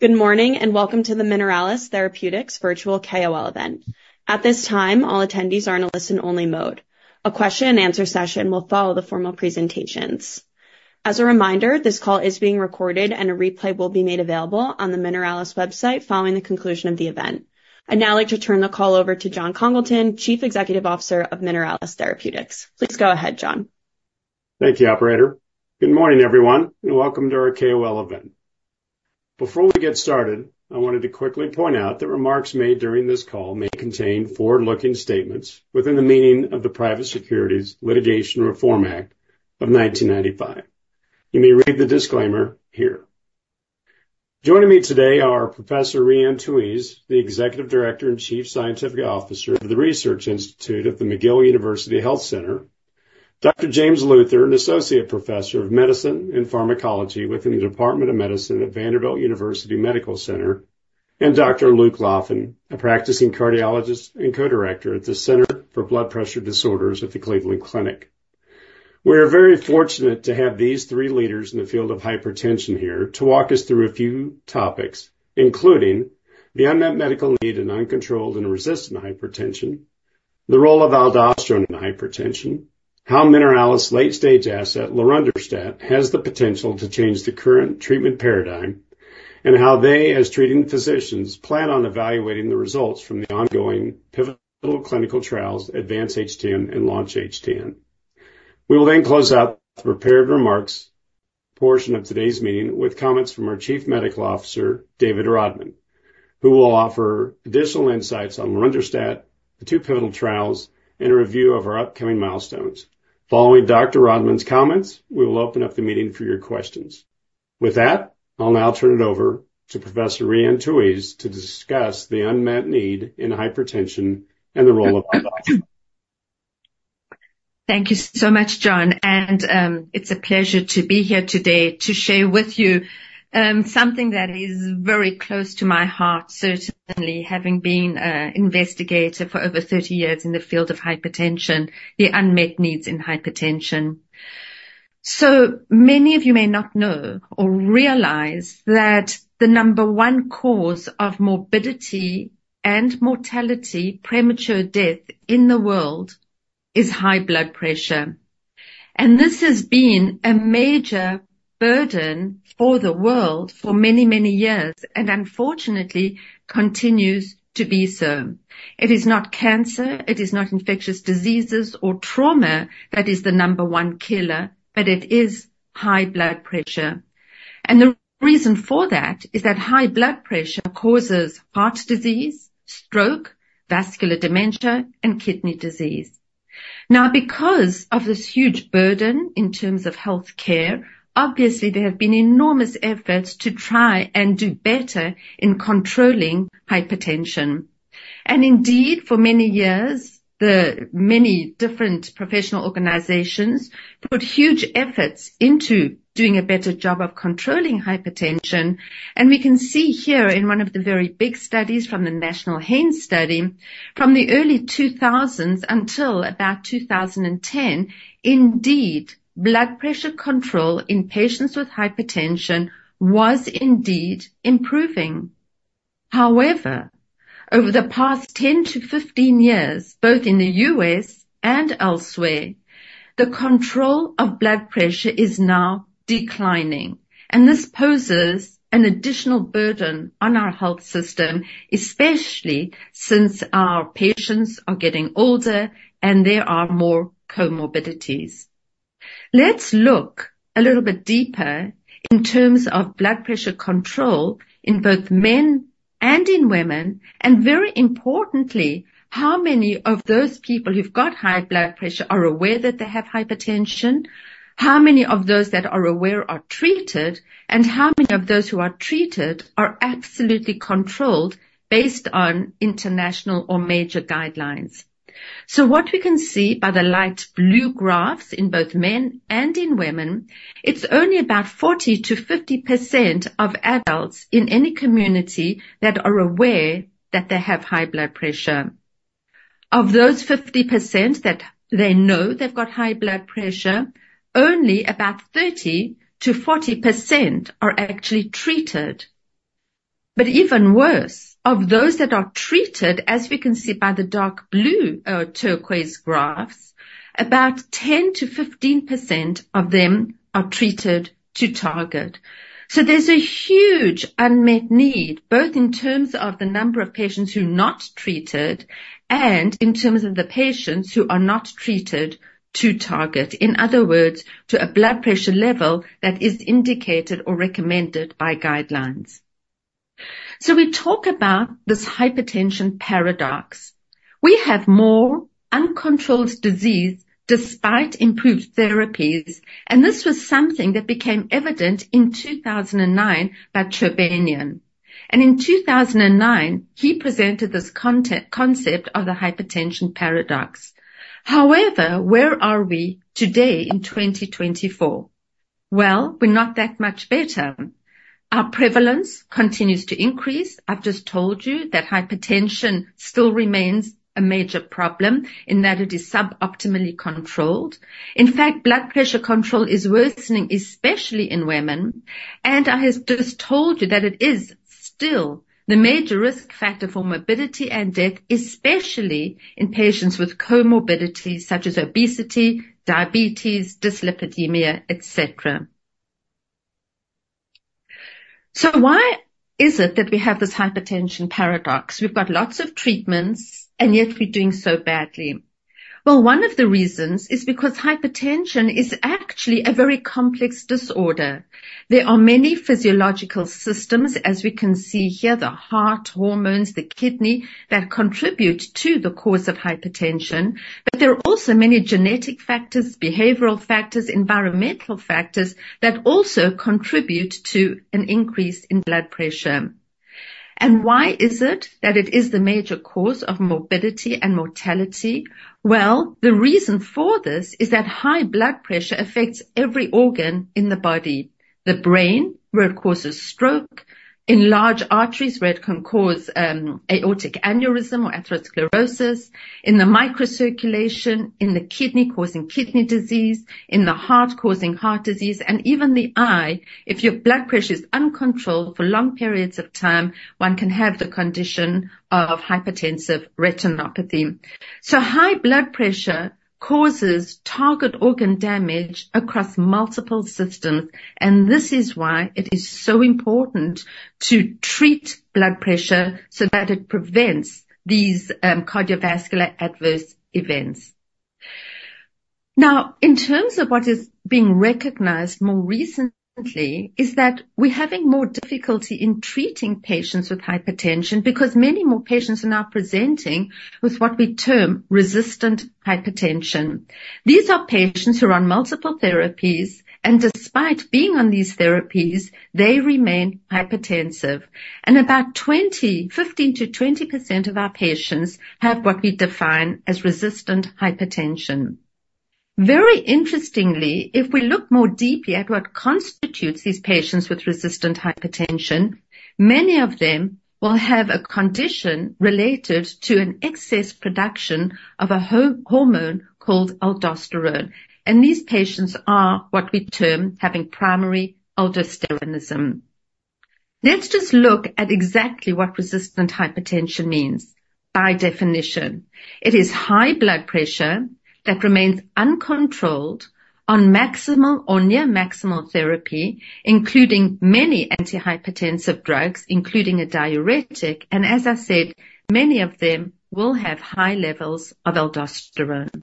Good morning and welcome to the Mineralys Therapeutics virtual KOL event. At this time, all attendees are in a listen-only mode. A question-and-answer session will follow the formal presentations. As a reminder, this call is being recorded and a replay will be made available on the Mineralys website following the conclusion of the event. I'd now like to turn the call over to Jon Congleton, Chief Executive Officer of Mineralys Therapeutics. Please go ahead, Jon. Thank you, Operator. Good morning, everyone, and welcome to our KOL event. Before we get started, I wanted to quickly point out that remarks made during this call may contain forward-looking statements within the meaning of the Private Securities Litigation Reform Act of 1995. You may read the disclaimer here. Joining me today are Professor Rhian Touyz, the Executive Director and Chief Scientific Officer of the Research Institute at the McGill University Health Centre; Dr. James Luther, an Associate Professor of Medicine and Pharmacology within the Department of Medicine at Vanderbilt University Medical Center; and Dr. Luke Laffin, a practicing cardiologist and co-director at the Center for Blood Pressure Disorders at the Cleveland Clinic. We are very fortunate to have these three leaders in the field of hypertension here to walk us through a few topics, including the unmet medical need in uncontrolled and resistant hypertension, the role of aldosterone in hypertension, how Mineralys late-stage asset lorundrostat has the potential to change the current treatment paradigm, and how they, as treating physicians, plan on evaluating the results from the ongoing pivotal clinical trials Advance-HTN and Launch-HTN. We will then close out the prepared remarks portion of today's meeting with comments from our Chief Medical Officer, David Rodman, who will offer additional insights on lorundrostat, the two pivotal trials, and a review of our upcoming milestones. Following Dr. Rodman's comments, we will open up the meeting for your questions. With that, I'll now turn it over to Professor Rhian Touyz to discuss the unmet need in hypertension and the role of aldosterone. Thank you so much, Jon, and it's a pleasure to be here today to share with you something that is very close to my heart, certainly having been an investigator for over 30 years in the field of hypertension, the unmet needs in hypertension, so many of you may not know or realize that the number one cause of morbidity and mortality, premature death in the world, is high blood pressure, and this has been a major burden for the world for many, many years, and unfortunately continues to be so. It is not cancer, it is not infectious diseases or trauma that is the number one killer, but it is high blood pressure, and the reason for that is that high blood pressure causes heart disease, stroke, vascular dementia, and kidney disease. Now, because of this huge burden in terms of healthcare, obviously there have been enormous efforts to try and do better in controlling hypertension, and indeed, for many years, the many different professional organizations put huge efforts into doing a better job of controlling hypertension, and we can see here in one of the very big studies from the NHANES, from the early 2000s until about 2010, indeed, blood pressure control in patients with hypertension was indeed improving. However, over the past 10-15 years, both in the U.S. and elsewhere, the control of blood pressure is now declining, and this poses an additional burden on our health system, especially since our patients are getting older and there are more comorbidities. Let's look a little bit deeper in terms of blood pressure control in both men and in women, and very importantly, how many of those people who've got high blood pressure are aware that they have hypertension, how many of those that are aware are treated, and how many of those who are treated are absolutely controlled based on international or major guidelines. So what we can see by the light blue graphs in both men and in women, it's only about 40%-50% of adults in any community that are aware that they have high blood pressure. Of those 50% that they know they've got high blood pressure, only about 30%-40% are actually treated. But even worse, of those that are treated, as we can see by the dark blue turquoise graphs, about 10%-15% of them are treated to target. So there's a huge unmet need, both in terms of the number of patients who are not treated and in terms of the patients who are not treated to target, in other words, to a blood pressure level that is indicated or recommended by guidelines. So we talk about this hypertension paradox. We have more uncontrolled disease despite improved therapies, and this was something that became evident in 2009 by Chobanian. And in 2009, he presented this concept of the hypertension paradox. However, where are we today in 2024? Well, we're not that much better. Our prevalence continues to increase. I've just told you that hypertension still remains a major problem in that it is suboptimally controlled. In fact, blood pressure control is worsening, especially in women. And I have just told you that it is still the major risk factor for morbidity and death, especially in patients with comorbidities such as obesity, diabetes, dyslipidemia, et cetera. So why is it that we have this hypertension paradox? We've got lots of treatments, and yet we're doing so badly. Well, one of the reasons is because hypertension is actually a very complex disorder. There are many physiological systems, as we can see here, the heart, hormones, the kidney that contribute to the cause of hypertension, but there are also many genetic factors, behavioral factors, environmental factors that also contribute to an increase in blood pressure. And why is it that it is the major cause of morbidity and mortality? Well, the reason for this is that high blood pressure affects every organ in the body. The brain, where it causes stroke, in large arteries, where it can cause aortic aneurysm or atherosclerosis, in the microcirculation, in the kidney causing kidney disease, in the heart causing heart disease, and even the eye. If your blood pressure is uncontrolled for long periods of time, one can have the condition of hypertensive retinopathy. So high blood pressure causes target organ damage across multiple systems, and this is why it is so important to treat blood pressure so that it prevents these cardiovascular adverse events. Now, in terms of what is being recognized more recently, is that we're having more difficulty in treating patients with hypertension because many more patients are now presenting with what we term resistant hypertension. These are patients who are on multiple therapies, and despite being on these therapies, they remain hypertensive. About 15%-20% of our patients have what we define as resistant hypertension. Very interestingly, if we look more deeply at what constitutes these patients with resistant hypertension, many of them will have a condition related to an excess production of a hormone called aldosterone. These patients are what we term having primary aldosteronism. Let's just look at exactly what resistant hypertension means by definition. It is high blood pressure that remains uncontrolled on maximal or near-maximal therapy, including many antihypertensive drugs, including a diuretic. As I said, many of them will have high levels of aldosterone.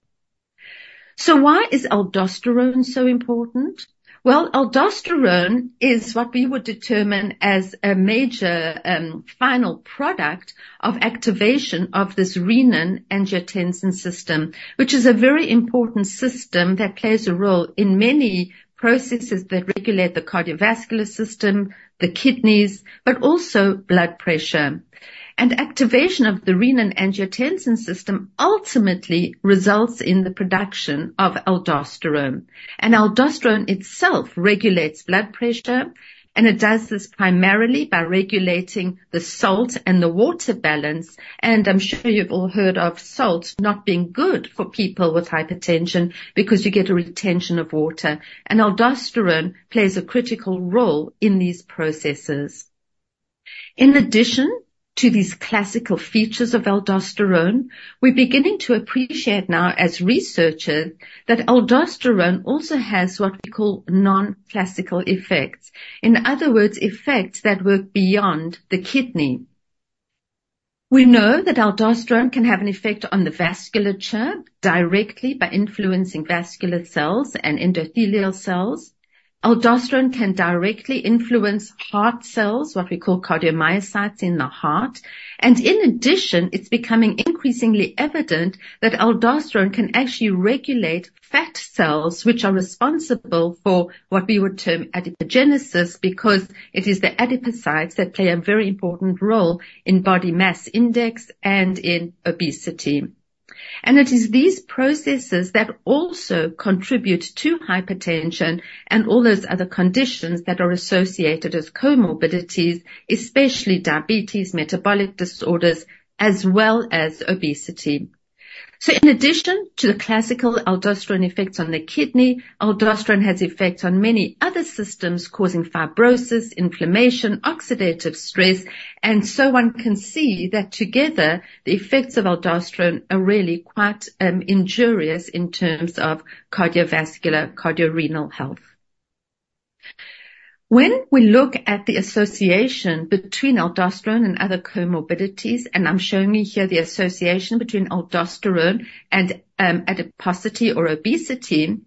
Why is aldosterone so important? Aldosterone is what we would determine as a major final product of activation of this renin-angiotensin system, which is a very important system that plays a role in many processes that regulate the cardiovascular system, the kidneys, but also blood pressure. Activation of the renin-angiotensin system ultimately results in the production of aldosterone. Aldosterone itself regulates blood pressure, and it does this primarily by regulating the salt and the water balance. I'm sure you've all heard of salt not being good for people with hypertension because you get a retention of water. Aldosterone plays a critical role in these processes. In addition to these classical features of aldosterone, we're beginning to appreciate now as researchers that aldosterone also has what we call non-classical effects. In other words, effects that work beyond the kidney. We know that aldosterone can have an effect on the vasculature directly by influencing vascular cells and endothelial cells. Aldosterone can directly influence heart cells, what we call cardiomyocytes in the heart. In addition, it's becoming increasingly evident that aldosterone can actually regulate fat cells, which are responsible for what we would term adipogenesis because it is the adipocytes that play a very important role in body mass index and in obesity. It is these processes that also contribute to hypertension and all those other conditions that are associated with comorbidities, especially diabetes, metabolic disorders, as well as obesity. In addition to the classical aldosterone effects on the kidney, aldosterone has effects on many other systems causing fibrosis, inflammation, oxidative stress, and so one can see that together the effects of aldosterone are really quite injurious in terms of cardiovascular, cardiorenal health. When we look at the association between aldosterone and other comorbidities, and I'm showing you here the association between aldosterone and adiposity or obesity.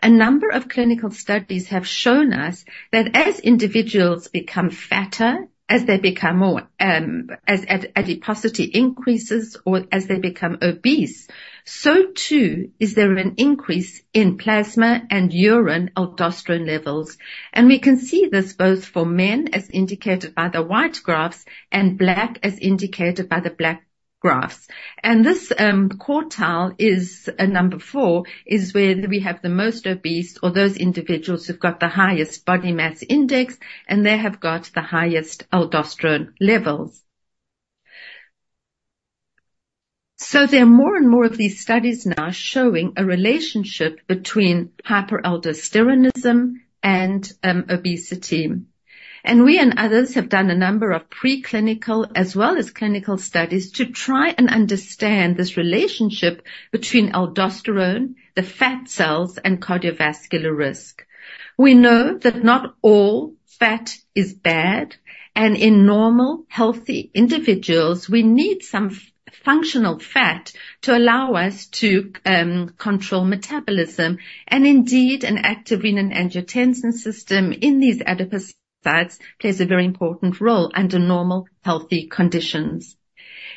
A number of clinical studies have shown us that as individuals become fatter, as they become more adiposity increases, or as they become obese, so too is there an increase in plasma and urine aldosterone levels. We can see this both for men, as indicated by the white graphs, and black as indicated by the black graphs. This quartile is a number four, is where we have the most obese or those individuals who've got the highest body mass index, and they have got the highest aldosterone levels. There are more and more of these studies now showing a relationship between hyperaldosteronism and obesity. We and others have done a number of preclinical as well as clinical studies to try and understand this relationship between aldosterone, the fat cells, and cardiovascular risk. We know that not all fat is bad, and in normal healthy individuals, we need some functional fat to allow us to control metabolism. Indeed, an active renin-angiotensin system in these adipocytes plays a very important role under normal healthy conditions.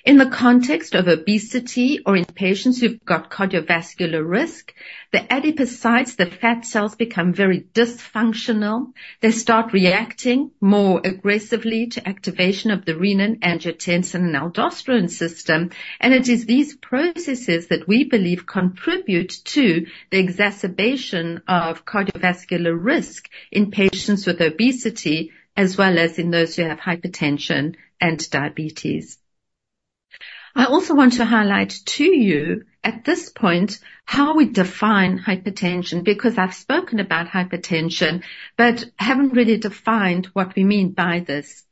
In the context of obesity or in patients who've got cardiovascular risk, the adipocytes, the fat cells, become very dysfunctional. They start reacting more aggressively to activation of the renin-angiotensin and aldosterone system. It is these processes that we believe contribute to the exacerbation of cardiovascular risk in patients with obesity, as well as in those who have hypertension and diabetes. I also want to highlight to you at this point how we define hypertension, because I've spoken about hypertension, but haven't really defined what we mean by this.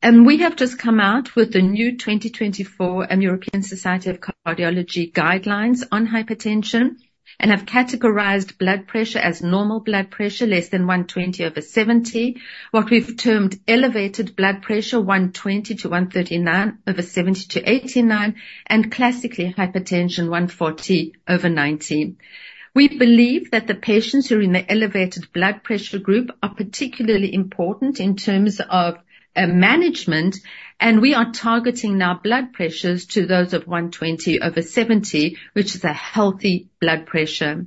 And we have just come out with the new 2024 European Society of Cardiology guidelines on hypertension, and have categorized blood pressure as normal blood pressure, less than 120 over 70, what we've termed elevated blood pressure, 120-139 over 70 to 89, and classically hypertension, 140 over 90. We believe that the patients who are in the elevated blood pressure group are particularly important in terms of management, and we are targeting now blood pressures to those of 120 over 70, which is a healthy blood pressure.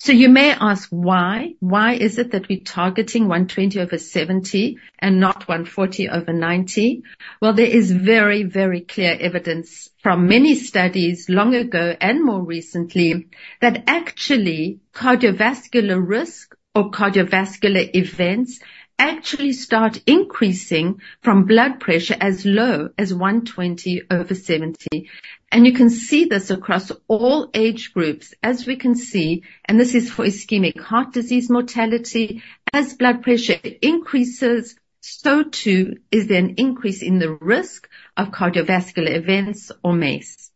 So you may ask why? Why is it that we're targeting 120 over 70 and not 140 over 90? There is very, very clear evidence from many studies long ago and more recently that actually cardiovascular risk or cardiovascular events actually start increasing from blood pressure as low as 120 over 70. You can see this across all age groups, as we can see, and this is for ischemic heart disease mortality. As blood pressure increases, so too is there an increase in the risk of cardiovascular events or MACE.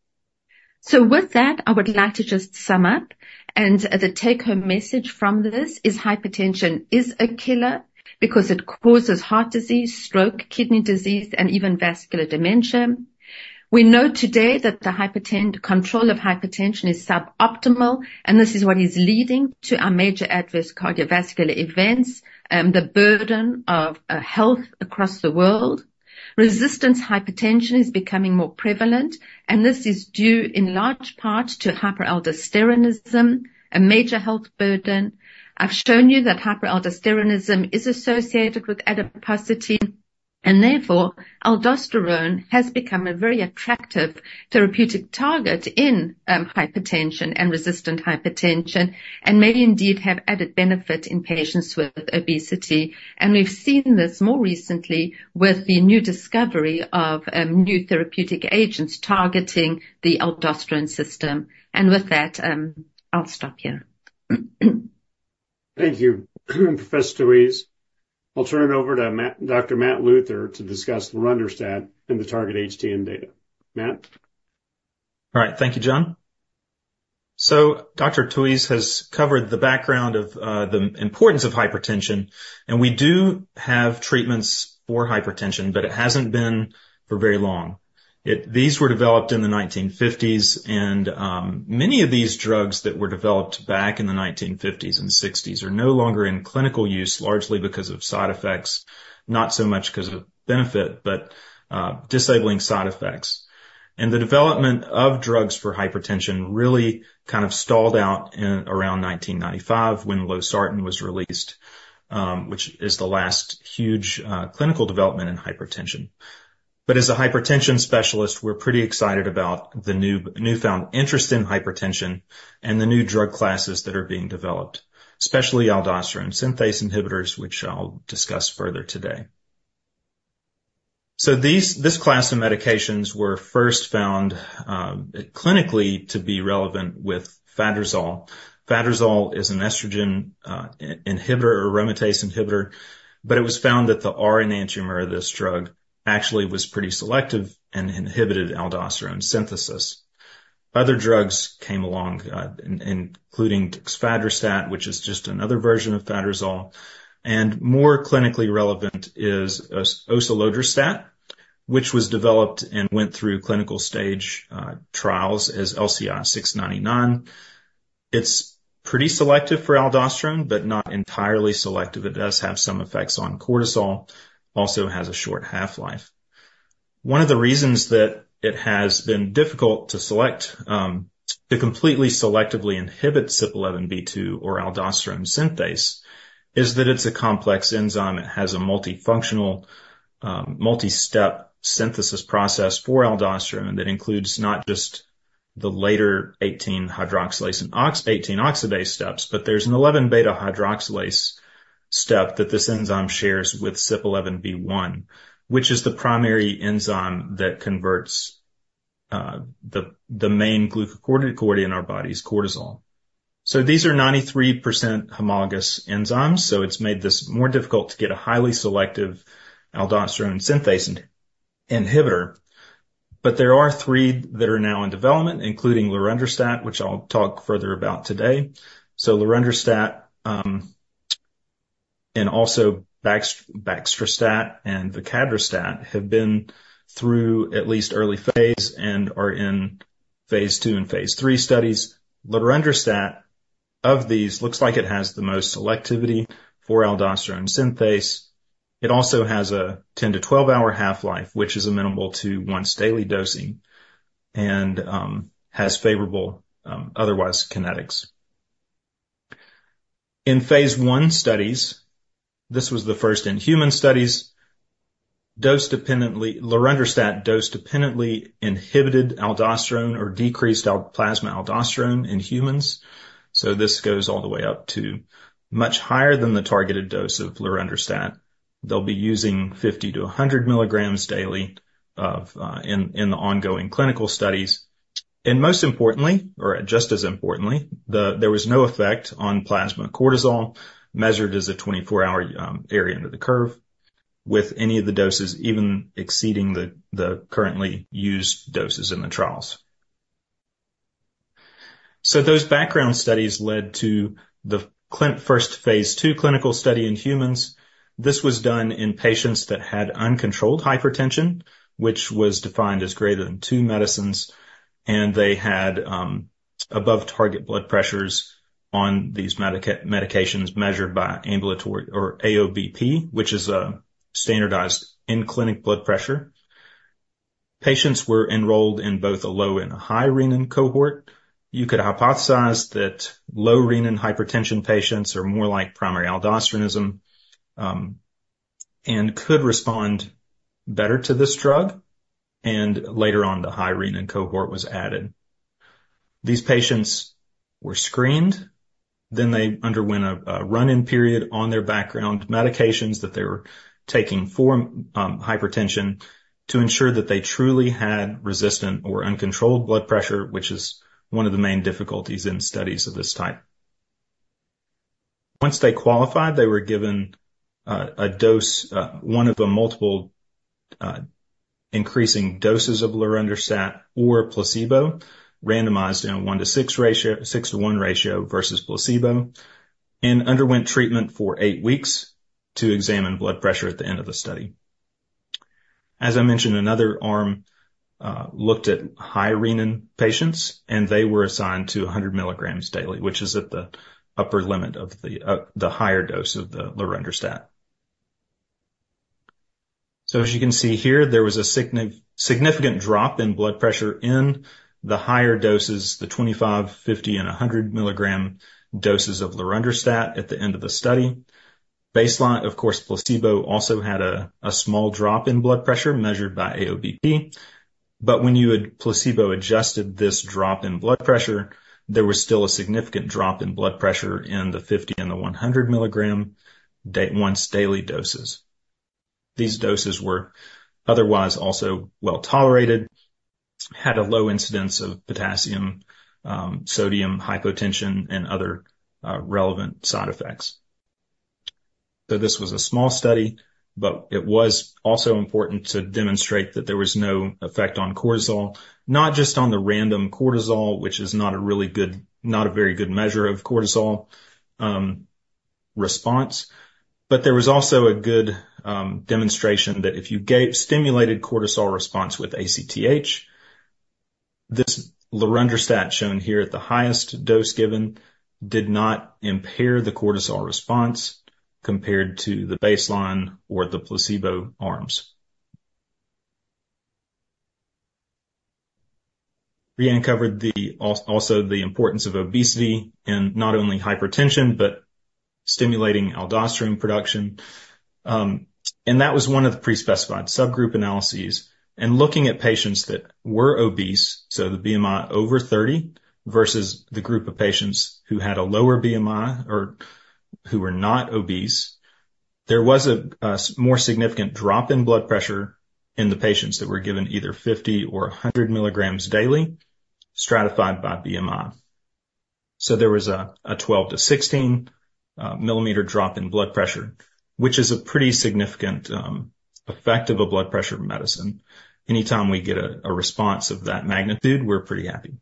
With that, I would like to just sum up, and the take-home message from this is hypertension is a killer because it causes heart disease, stroke, kidney disease, and even vascular dementia. We know today that the control of hypertension is suboptimal, and this is what is leading to our major adverse cardiovascular events, the burden of health across the world. Resistant hypertension is becoming more prevalent, and this is due in large part to hyperaldosteronism, a major health burden. I've shown you that hyperaldosteronism is associated with adiposity, and therefore aldosterone has become a very attractive therapeutic target in hypertension and resistant hypertension, and may indeed have added benefit in patients with obesity. And we've seen this more recently with the new discovery of new therapeutic agents targeting the aldosterone system. And with that, I'll stop here. Thank you, Professor Touyz. I'll turn it over to Dr. Matt Luther to discuss the lorundrostat and the Target-HTN data. Matt. All right, thank you, Jon. So Dr. Touyz has covered the background of the importance of hypertension, and we do have treatments for hypertension, but it hasn't been for very long. These were developed in the 1950s, and many of these drugs that were developed back in the 1950s and 1960s are no longer in clinical use, largely because of side effects, not so much because of benefit, but disabling side effects, and the development of drugs for hypertension really kind of stalled out around 1995 when losartan was released, which is the last huge clinical development in hypertension, but as a hypertension specialist, we're pretty excited about the newfound interest in hypertension and the new drug classes that are being developed, especially aldosterone synthase inhibitors, which I'll discuss further today, so this class of medications were first found clinically to be relevant with fadrozole. Fadrozole is an estrogen inhibitor or aromatase inhibitor, but it was found that the mechanism of this drug actually was pretty selective and inhibited aldosterone synthesis. Other drugs came along, including fadrozole, which is just another version of fadrozole. And more clinically relevant is osilodrostat, which was developed and went through clinical stage trials as LCI 699. It's pretty selective for aldosterone, but not entirely selective. It does have some effects on cortisol, also has a short half-life. One of the reasons that it has been difficult to select, to completely selectively inhibit CYP11B2 or aldosterone synthase, is that it's a complex enzyme. It has a multifunctional, multi-step synthesis process for aldosterone that includes not just the later 18-hydroxylase and 18-oxidase steps, but there's an 11-beta-hydroxylase step that this enzyme shares with CYP11B1, which is the primary enzyme that converts the main glucocorticoid in our bodies, cortisol. So these are 93% homologous enzymes, so it's made this more difficult to get a highly selective aldosterone synthase inhibitor. There are three that are now in development, including lorundrostat, which I'll talk further about today. Lorundrostat and also baxdrostat and vadadustat have been through at least early phase and are in phase II and phase III studies. Lorundrostat, of these, looks like it has the most selectivity for aldosterone synthase. It also has a 10-12-hour half-life, which is amenable to once-daily dosing and has favorable otherwise kinetics. In phase I studies, this was the first-in-human studies, lorundrostat dose-dependently inhibited aldosterone or decreased plasma aldosterone in humans. This goes all the way up to much higher than the targeted dose of lorundrostat. They'll be using 50-100 milligrams daily in the ongoing clinical studies. Most importantly, or just as importantly, there was no effect on plasma cortisol measured as a 24-hour area under the curve with any of the doses even exceeding the currently used doses in the trials. Those background studies led to the first phase II clinical study in humans. This was done in patients that had uncontrolled hypertension, which was defined as greater than two medicines, and they had above-target blood pressures on these medications measured by ambulatory or AOBP, which is a standardized in-clinic blood pressure. Patients were enrolled in both a low and a high renin cohort. You could hypothesize that low renin hypertension patients are more like primary aldosteronism and could respond better to this drug. Later on, the high renin cohort was added. These patients were screened, then they underwent a run-in period on their background medications that they were taking for hypertension to ensure that they truly had resistant or uncontrolled blood pressure, which is one of the main difficulties in studies of this type. Once they qualified, they were given a dose, one of the multiple increasing doses of lorundrostat or placebo, randomized in a one to six ratio, six to one ratio versus placebo, and underwent treatment for eight weeks to examine blood pressure at the end of the study. As I mentioned, another arm looked at high renin patients, and they were assigned to 100 milligrams daily, which is at the upper limit of the higher dose of the lorundrostat. So as you can see here, there was a significant drop in blood pressure in the higher doses, the 25, 50, and 100 milligram doses of lorundrostat at the end of the study. Baseline, of course, placebo also had a small drop in blood pressure measured by AOBP. But when you had placebo adjusted this drop in blood pressure, there was still a significant drop in blood pressure in the 50 and the 100 milligram once-daily doses. These doses were otherwise also well tolerated, had a low incidence of potassium, sodium, hypotension, and other relevant side effects. So this was a small study, but it was also important to demonstrate that there was no effect on cortisol, not just on the random cortisol, which is not a really good, not a very good measure of cortisol response. But there was also a good demonstration that if you stimulated cortisol response with ACTH, this lorundrostat shown here at the highest dose given did not impair the cortisol response compared to the baseline or the placebo arms. We uncovered also the importance of obesity and not only hypertension, but stimulating aldosterone production, and that was one of the pre-specified subgroup analyses, and looking at patients that were obese, so the BMI over 30 versus the group of patients who had a lower BMI or who were not obese, there was a more significant drop in blood pressure in the patients that were given either 50 or 100 milligrams daily, stratified by BMI, so there was a 12-16 mm Hg drop in blood pressure, which is a pretty significant effect of a blood pressure medicine. Anytime we get a response of that magnitude, we're pretty happy.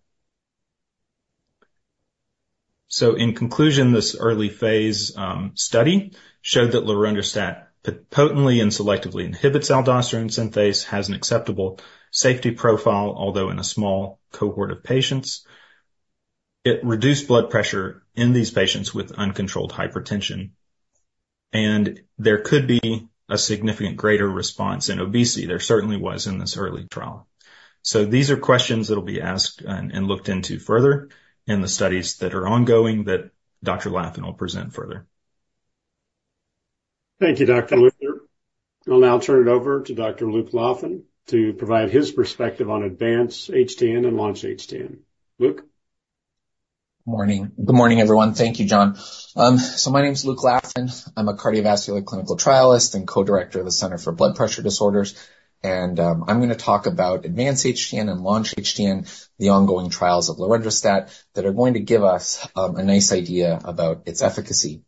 In conclusion, this early phase study showed that lorundrostat potently and selectively inhibits aldosterone synthase, has an acceptable safety profile, although in a small cohort of patients. It reduced blood pressure in these patients with uncontrolled hypertension. And there could be a significant greater response in obesity. There certainly was in this early trial. So these are questions that will be asked and looked into further in the studies that are ongoing that Dr. Laffin will present further. Thank you, Dr. Luther. I'll now turn it over to Dr. Luke Laffin to provide his perspective on Advance-HTN and Launch-HTN. Luke. Good morning. Good morning, everyone. Thank you, Jon. So my name is Luke Laffin. I'm a cardiovascular clinical trialist and co-director of the Center for Blood Pressure Disorders. I'm going to talk about Advance-HTN and Launch-HTN, the ongoing trials of lorundrostat that are going to give us a nice idea about its efficacy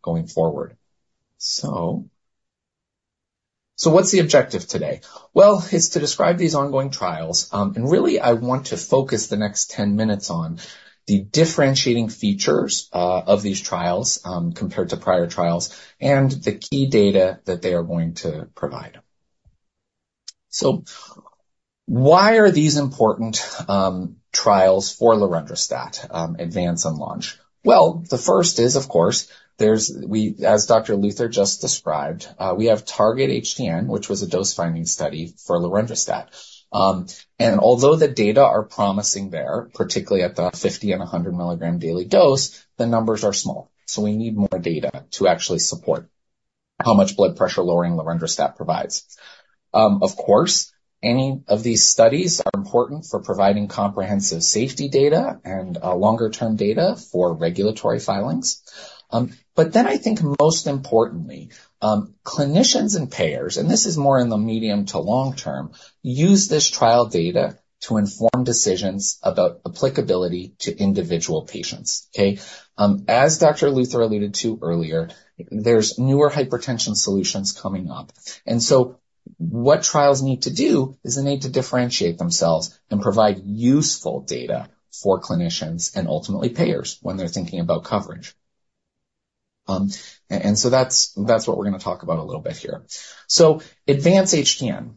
going forward. What's the objective today? It's to describe these ongoing trials. Really, I want to focus the next 10 minutes on the differentiating features of these trials compared to prior trials and the key data that they are going to provide. Why are these important trials for lorundrostat, Advance and Launch? The first is, of course, as Dr. Luther just described, we have Target-HTN, which was a dose-finding study for lorundrostat. Although the data are promising there, particularly at the 50 and 100 milligram daily dose, the numbers are small. We need more data to actually support how much blood pressure-lowering lorundrostat provides. Of course, any of these studies are important for providing comprehensive safety data and longer-term data for regulatory filings. But then I think most importantly, clinicians and payers, and this is more in the medium to long term, use this trial data to inform decisions about applicability to individual patients. Okay? As Dr. Luther alluded to earlier, there's newer hypertension solutions coming up, and so what trials need to do is they need to differentiate themselves and provide useful data for clinicians and ultimately payers when they're thinking about coverage, and so that's what we're going to talk about a little bit here, so Advance-HTN.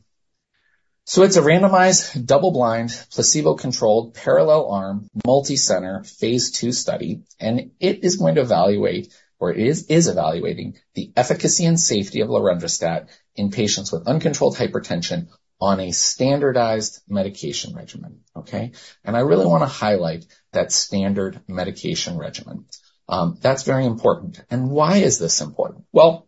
So it's a randomized, double-blind, placebo-controlled, parallel arm, multi-center phase II study. And it is going to evaluate, or it is evaluating, the efficacy and safety of lorundrostat in patients with uncontrolled hypertension on a standardized medication regimen. Okay? I really want to highlight that standard medication regimen. That's very important. Why is this important? Well,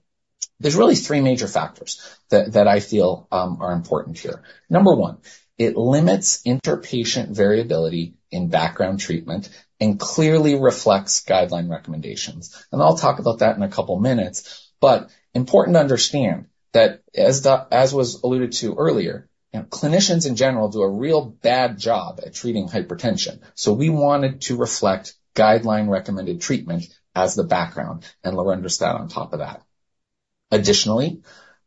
there's really three major factors that I feel are important here. Number one, it limits interpatient variability in background treatment and clearly reflects guideline recommendations. I'll talk about that in a couple of minutes. But important to understand that, as was alluded to earlier, clinicians in general do a real bad job at treating hypertension. So we wanted to reflect guideline-recommended treatment as the background and lorundrostat on top of that. Additionally,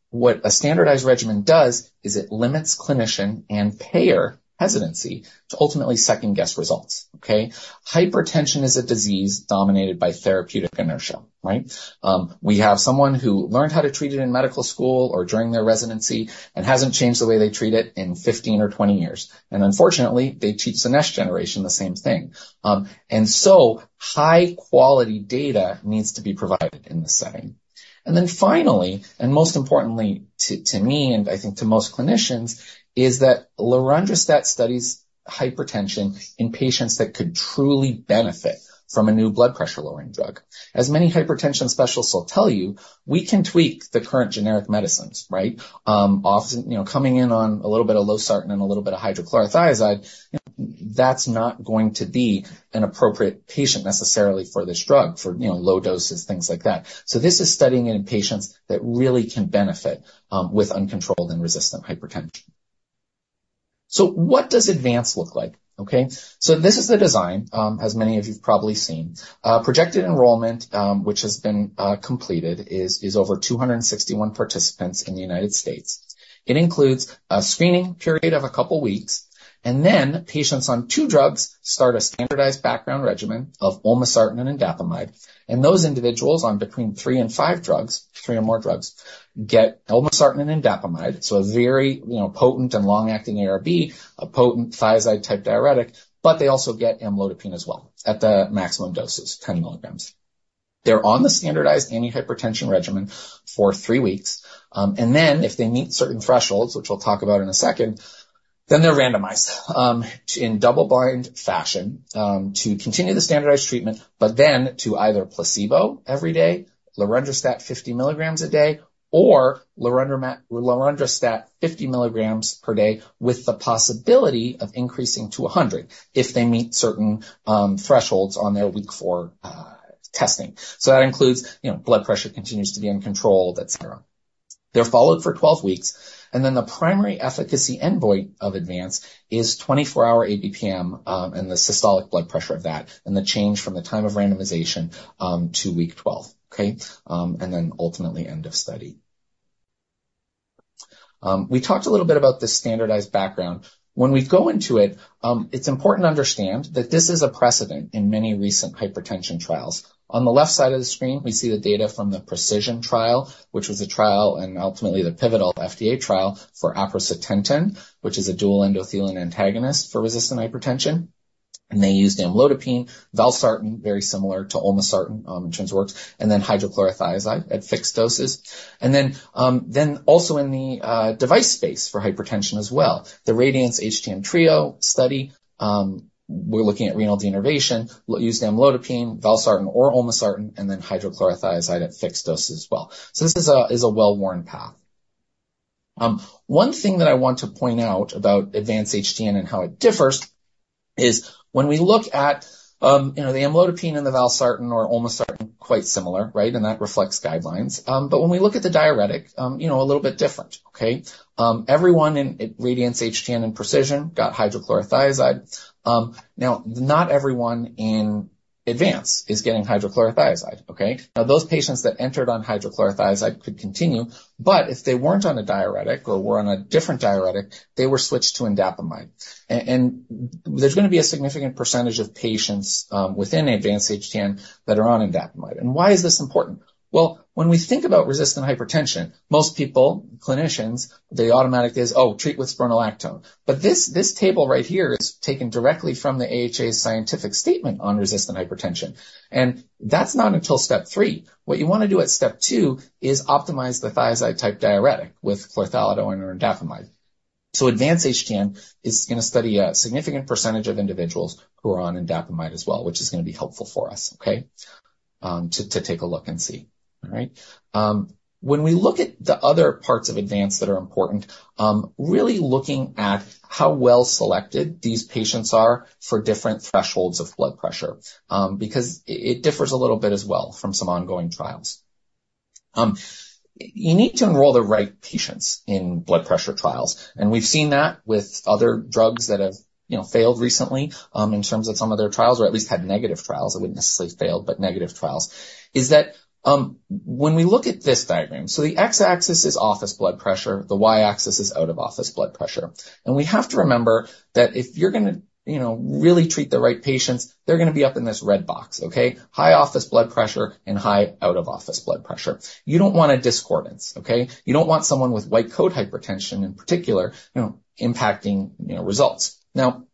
what a standardized regimen does is it limits clinician and payer hesitancy to ultimately second-guess results. Okay? Hypertension is a disease dominated by therapeutic inertia. Right? We have someone who learned how to treat it in medical school or during their residency and hasn't changed the way they treat it in 15 or 20 years. Unfortunately, they teach the next generation the same thing. So high-quality data needs to be provided in this setting. Then finally, and most importantly to me, and I think to most clinicians, is that lorundrostat studies hypertension in patients that could truly benefit from a new blood pressure-lowering drug. As many hypertension specialists will tell you, we can tweak the current generic medicines. Right? Coming in on a little bit of losartan and a little bit of hydrochlorothiazide, that's not going to be an appropriate patient necessarily for this drug, for low doses, things like that. So this is studying it in patients that really can benefit with uncontrolled and resistant hypertension. So what does Advance look like? Okay? So this is the design, as many of you have probably seen. Projected enrollment, which has been completed, is over 261 participants in the United States. It includes a screening period of a couple of weeks. Then patients on two drugs start a standardized background regimen of olmesartan and indapamide. Those individuals on between three and five drugs, three or more drugs, get olmesartan and indapamide, so a very potent and long-acting ARB, a potent thiazide-type diuretic, but they also get amlodipine as well at the maximum doses, 10 milligrams. They're on the standardized antihypertensive regimen for three weeks. Then if they meet certain thresholds, which we'll talk about in a second, they're randomized in double-blind fashion to continue the standardized treatment, but then to either placebo every day, lorundrostat 50 milligrams a day, or lorundrostat 50 milligrams per day with the possibility of increasing to 100 if they meet certain thresholds on their week four testing. That includes blood pressure continues to be uncontrolled, etc. They're followed for 12 weeks. And then the primary efficacy endpoint of Advance-HTN is 24-hour ABPM and the systolic blood pressure of that and the change from the time of randomization to week 12. Okay? And then ultimately end of study. We talked a little bit about this standardized background. When we go into it, it's important to understand that this is a precedent in many recent hypertension trials. On the left side of the screen, we see the data from the PRECISION trial, which was a trial and ultimately the pivotal FDA trial for aprocitentan, which is a dual endothelin antagonist for resistant hypertension. And they used amlodipine, valsartan, very similar to olmesartan in terms of works, and then hydrochlorothiazide at fixed doses. And then also in the device space for hypertension as well, the Radiance-HTN Trio study, we're looking at renal denervation, used amlodipine, valsartan or olmesartan, and then hydrochlorothiazide at fixed doses as well. So this is a well-worn path. One thing that I want to point out about Advance-HTN and how it differs is when we look at the amlodipine and the valsartan or olmesartan, quite similar, right? And that reflects guidelines. But when we look at the diuretic, a little bit different. Okay? Everyone in Radiance-HTN and PRECISION got hydrochlorothiazide. Now, not everyone in Advance-HTN is getting hydrochlorothiazide. Okay? Now, those patients that entered on hydrochlorothiazide could continue, but if they weren't on a diuretic or were on a different diuretic, they were switched to indapamide. And there's going to be a significant percentage of patients within Advance-HTN that are on indapamide. And why is this important? Well, when we think about resistant hypertension, most people, clinicians, they automatically say, "Oh, treat with spironolactone." But this table right here is taken directly from the AHA scientific statement on resistant hypertension. And that's not until step three. What you want to do at step two is optimize the thiazide-type diuretic with chlorthalidone or indapamide. So Advance-HTN is going to study a significant percentage of individuals who are on indapamide as well, which is going to be helpful for us, okay, to take a look and see. All right? When we look at the other parts of Advance that are important, really looking at how well selected these patients are for different thresholds of blood pressure because it differs a little bit as well from some ongoing trials. You need to enroll the right patients in blood pressure trials. We've seen that with other drugs that have failed recently in terms of some of their trials or at least had negative trials. It wouldn't necessarily fail, but negative trials. Is that when we look at this diagram, so the X-axis is office blood pressure. The Y-axis is out-of-office blood pressure. And we have to remember that if you're going to really treat the right patients, they're going to be up in this red box, okay? High office blood pressure and high out-of-office blood pressure. You don't want a discordance, okay? You don't want someone with white coat hypertension in particular impacting results. Now,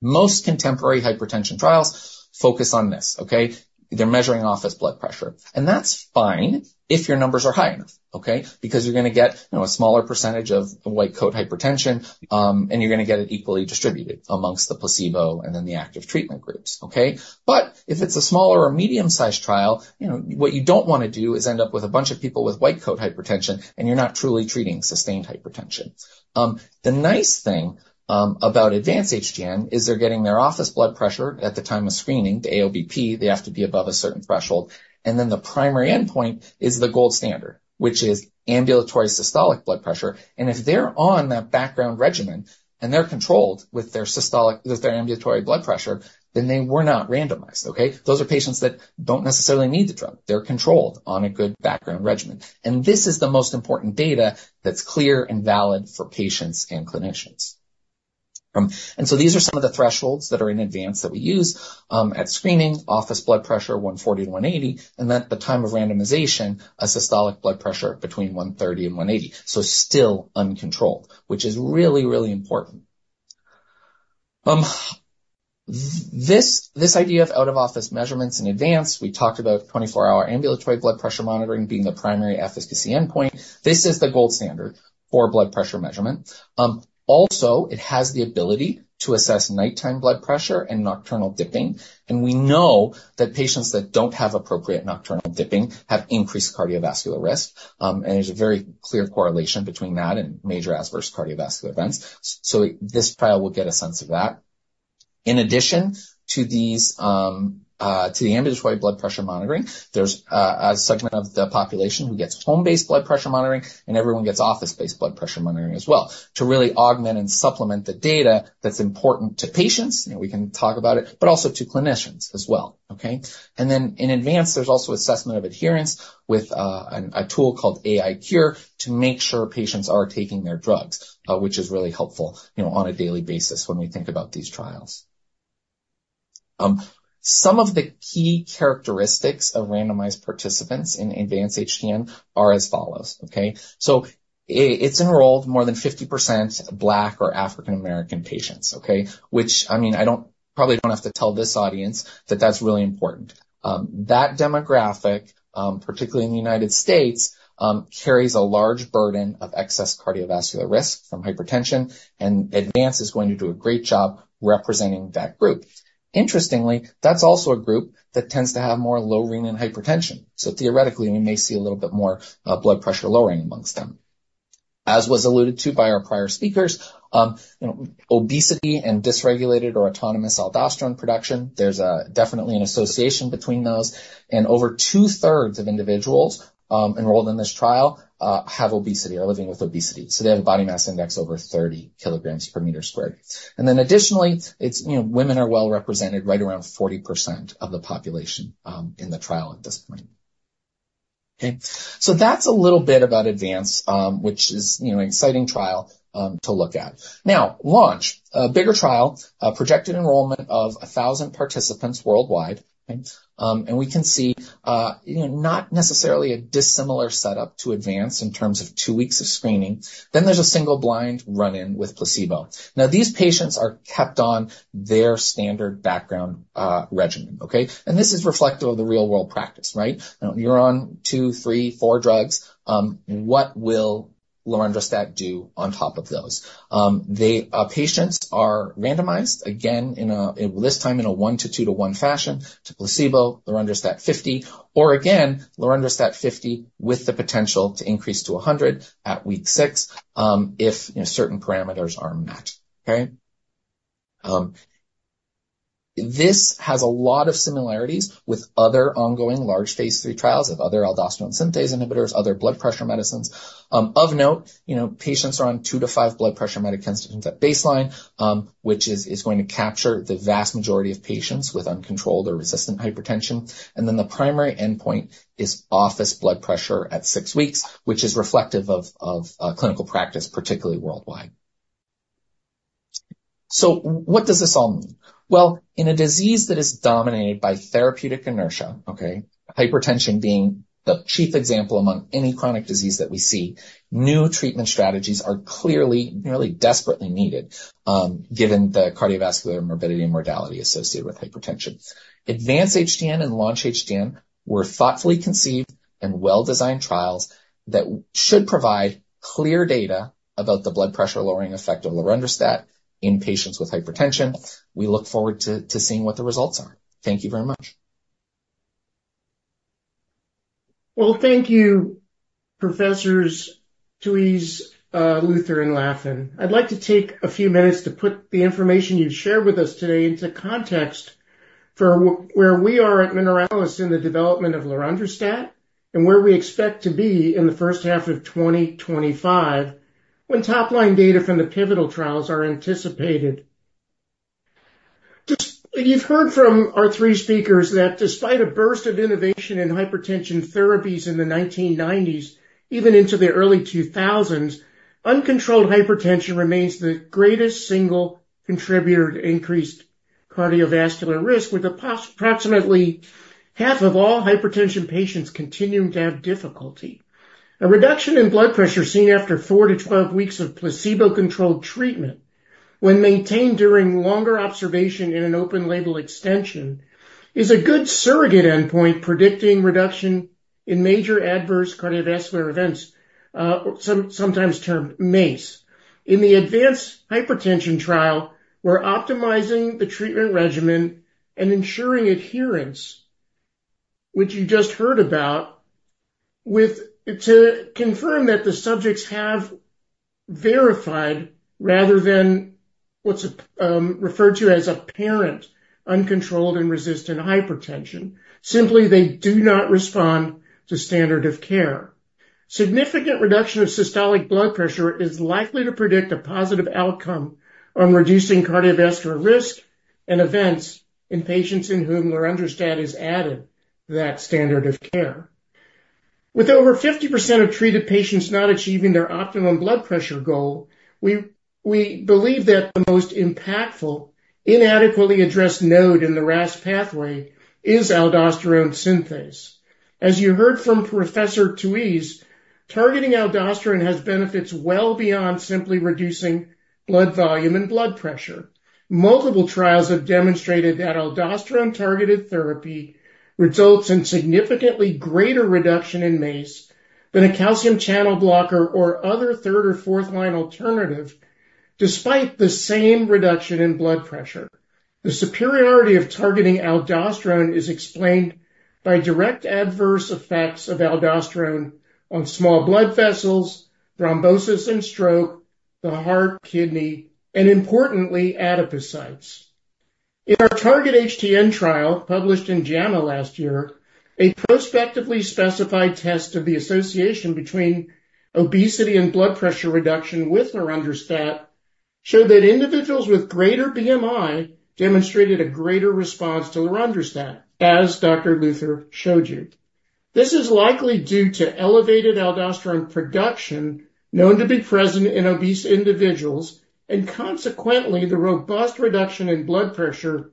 most contemporary hypertension trials focus on this, okay? They're measuring office blood pressure. And that's fine if your numbers are high enough, okay? Because you're going to get a smaller percentage of white coat hypertension, and you're going to get it equally distributed amongst the placebo and then the active treatment groups, okay? But if it's a smaller or medium-sized trial, what you don't want to do is end up with a bunch of people with white coat hypertension, and you're not truly treating sustained hypertension. The nice thing about Advance-HTN is they're getting their office blood pressure at the time of screening, the AOBP. They have to be above a certain threshold. And then the primary endpoint is the gold standard, which is ambulatory systolic blood pressure. And if they're on that background regimen and they're controlled with their systolic, with their ambulatory blood pressure, then they were not randomized, okay? Those are patients that don't necessarily need the drug. They're controlled on a good background regimen. This is the most important data that's clear and valid for patients and clinicians. These are some of the thresholds that are in advance that we use at screening: office blood pressure 140-180, and then at the time of randomization, a systolic blood pressure between 130 and 180. Still uncontrolled, which is really, really important. This idea of out-of-office measurements in advance, we talked about 24-hour ambulatory blood pressure monitoring being the primary efficacy endpoint. This is the gold standard for blood pressure measurement. Also, it has the ability to assess nighttime blood pressure and nocturnal dipping. We know that patients that don't have appropriate nocturnal dipping have increased cardiovascular risk. There's a very clear correlation between that and major adverse cardiovascular events. This trial will get a sense of that. In addition to the ambulatory blood pressure monitoring, there's a segment of the population who gets home-based blood pressure monitoring, and everyone gets office-based blood pressure monitoring as well to really augment and supplement the data that's important to patients. We can talk about it, but also to clinicians as well. Okay? And then in Advance, there's also assessment of adherence with a tool called AiCure to make sure patients are taking their drugs, which is really helpful on a daily basis when we think about these trials. Some of the key characteristics of randomized participants in Advance-HTN are as follows. Okay? So it's enrolled more than 50% Black or African-American patients, okay? Which, I mean, I probably don't have to tell this audience that that's really important. That demographic, particularly in the United States, carries a large burden of excess cardiovascular risk from hypertension. Advance is going to do a great job representing that group. Interestingly, that's also a group that tends to have more low renin hypertension. So theoretically, we may see a little bit more blood pressure lowering amongst them. As was alluded to by our prior speakers, obesity and dysregulated or autonomous aldosterone production, there's definitely an association between those. And over two-thirds of individuals enrolled in this trial have obesity or are living with obesity. So they have a body mass index over 30 kg/m². And then additionally, women are well-represented, right around 40% of the population in the trial at this point. Okay? So that's a little bit about Advance, which is an exciting trial to look at. Now, Launch, a bigger trial, projected enrollment of 1,000 participants worldwid. We can see not necessarily a dissimilar setup to Advance-HTN in terms of two weeks of screening. Then there's a single-blind run-in with placebo. Now, these patients are kept on their standard background regimen. Okay? And this is reflective of the real-world practice, right? You're on two, three, four drugs. What will lorundrostat do on top of those? Patients are randomized, again, this time in a 1:2:1 fashion to placebo, lorundrostat 50, or again, lorundrostat 50 with the potential to increase to 100 at week six if certain parameters are met. Okay? This has a lot of similarities with other ongoing large phase III trials of other aldosterone synthase inhibitors, other blood pressure medicines. Of note, patients are on two to five blood pressure medicines at baseline, which is going to capture the vast majority of patients with uncontrolled or resistant hypertension. The primary endpoint is office blood pressure at six weeks, which is reflective of clinical practice, particularly worldwide. What does this all mean? In a disease that is dominated by therapeutic inertia, okay, hypertension being the chief example among any chronic disease that we see, new treatment strategies are clearly, really desperately needed given the cardiovascular morbidity and mortality associated with hypertension. Advance-HTN and Launch-HTN were thoughtfully conceived and well-designed trials that should provide clear data about the blood pressure-lowering effect of lorundrostat in patients with hypertension. We look forward to seeing what the results are. Thank you very much. Thank you, Professors Touyz, Luther, and Laffin. I'd like to take a few minutes to put the information you've shared with us today into context for where we are at Mineralys in the development of lorundrostat and where we expect to be in the first half of 2025 when top-line data from the pivotal trials are anticipated. You've heard from our three speakers that despite a burst of innovation in hypertension therapies in the 1990s, even into the early 2000s, uncontrolled hypertension remains the greatest single contributor to increased cardiovascular risk, with approximately half of all hypertension patients continuing to have difficulty. A reduction in blood pressure seen after four to 12 weeks of placebo-controlled treatment, when maintained during longer observation in an open-label extension, is a good surrogate endpoint predicting reduction in major adverse cardiovascular events, sometimes termed MACE. In the Advance-HTN trial, we're optimizing the treatment regimen and ensuring adherence, which you just heard about, to confirm that the subjects have verified rather than what's referred to as apparent uncontrolled and resistant hypertension. Simply, they do not respond to standard of care. Significant reduction of systolic blood pressure is likely to predict a positive outcome on reducing cardiovascular risk and events in patients in whom lorundrostat is added to that standard of care. With over 50% of treated patients not achieving their optimum blood pressure goal, we believe that the most impactful inadequately addressed node in the RAS pathway is aldosterone synthase. As you heard from Professor Touyz, targeting aldosterone has benefits well beyond simply reducing blood volume and blood pressure. Multiple trials have demonstrated that aldosterone-targeted therapy results in significantly greater reduction in MACE than a calcium channel blocker or other third or fourth-line alternative, despite the same reduction in blood pressure. The superiority of targeting aldosterone is explained by direct adverse effects of aldosterone on small blood vessels, thrombosis, and stroke, the heart, kidney, and importantly, adipocytes. In our Target-HTN trial published in JAMA last year, a prospectively specified test of the association between obesity and blood pressure reduction with lorundrostat showed that individuals with greater BMI demonstrated a greater response to lorundrostat, as Dr. Luther showed you. This is likely due to elevated aldosterone production known to be present in obese individuals, and consequently, the robust reduction in blood pressure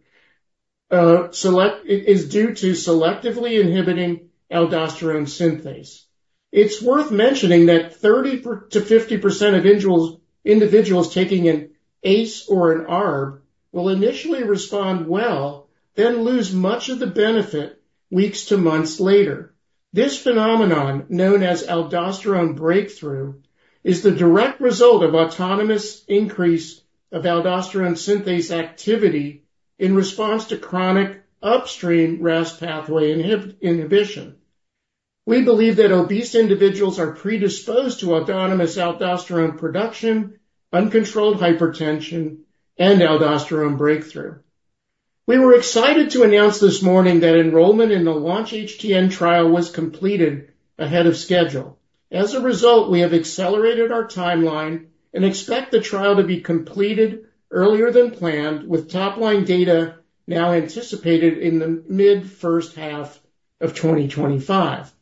is due to selectively inhibiting aldosterone synthase. It's worth mentioning that 30%-50% of individuals taking an ACE or an ARB will initially respond well, then lose much of the benefit weeks to months later. This phenomenon, known as aldosterone breakthrough, is the direct result of autonomous increase of aldosterone synthase activity in response to chronic upstream RAS pathway inhibition. We believe that obese individuals are predisposed to autonomous aldosterone production, uncontrolled hypertension, and aldosterone breakthrough. We were excited to announce this morning that enrollment in the Launch-HTN trial was completed ahead of schedule. As a result, we have accelerated our timeline and expect the trial to be completed earlier than planned, with top-line data now anticipated in the mid-first half of 2025.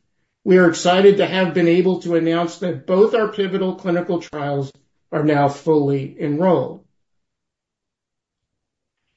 We are excited to have been able to announce that both our pivotal clinical trials are now fully enrolled.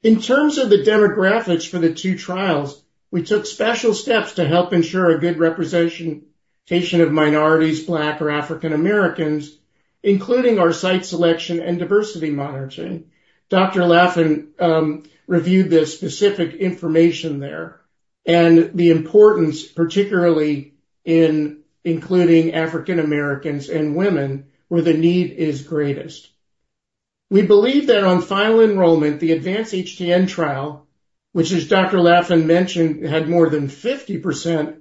In terms of the demographics for the two trials, we took special steps to help ensure a good representation of minorities, Black or African Americans, including our site selection and diversity monitoring. Dr. Laffin reviewed the specific information there and the importance, particularly in including African Americans and women, where the need is greatest. We believe that on final enrollment, the Advance-HTN trial, which, as Dr. Laffin mentioned, had more than 50%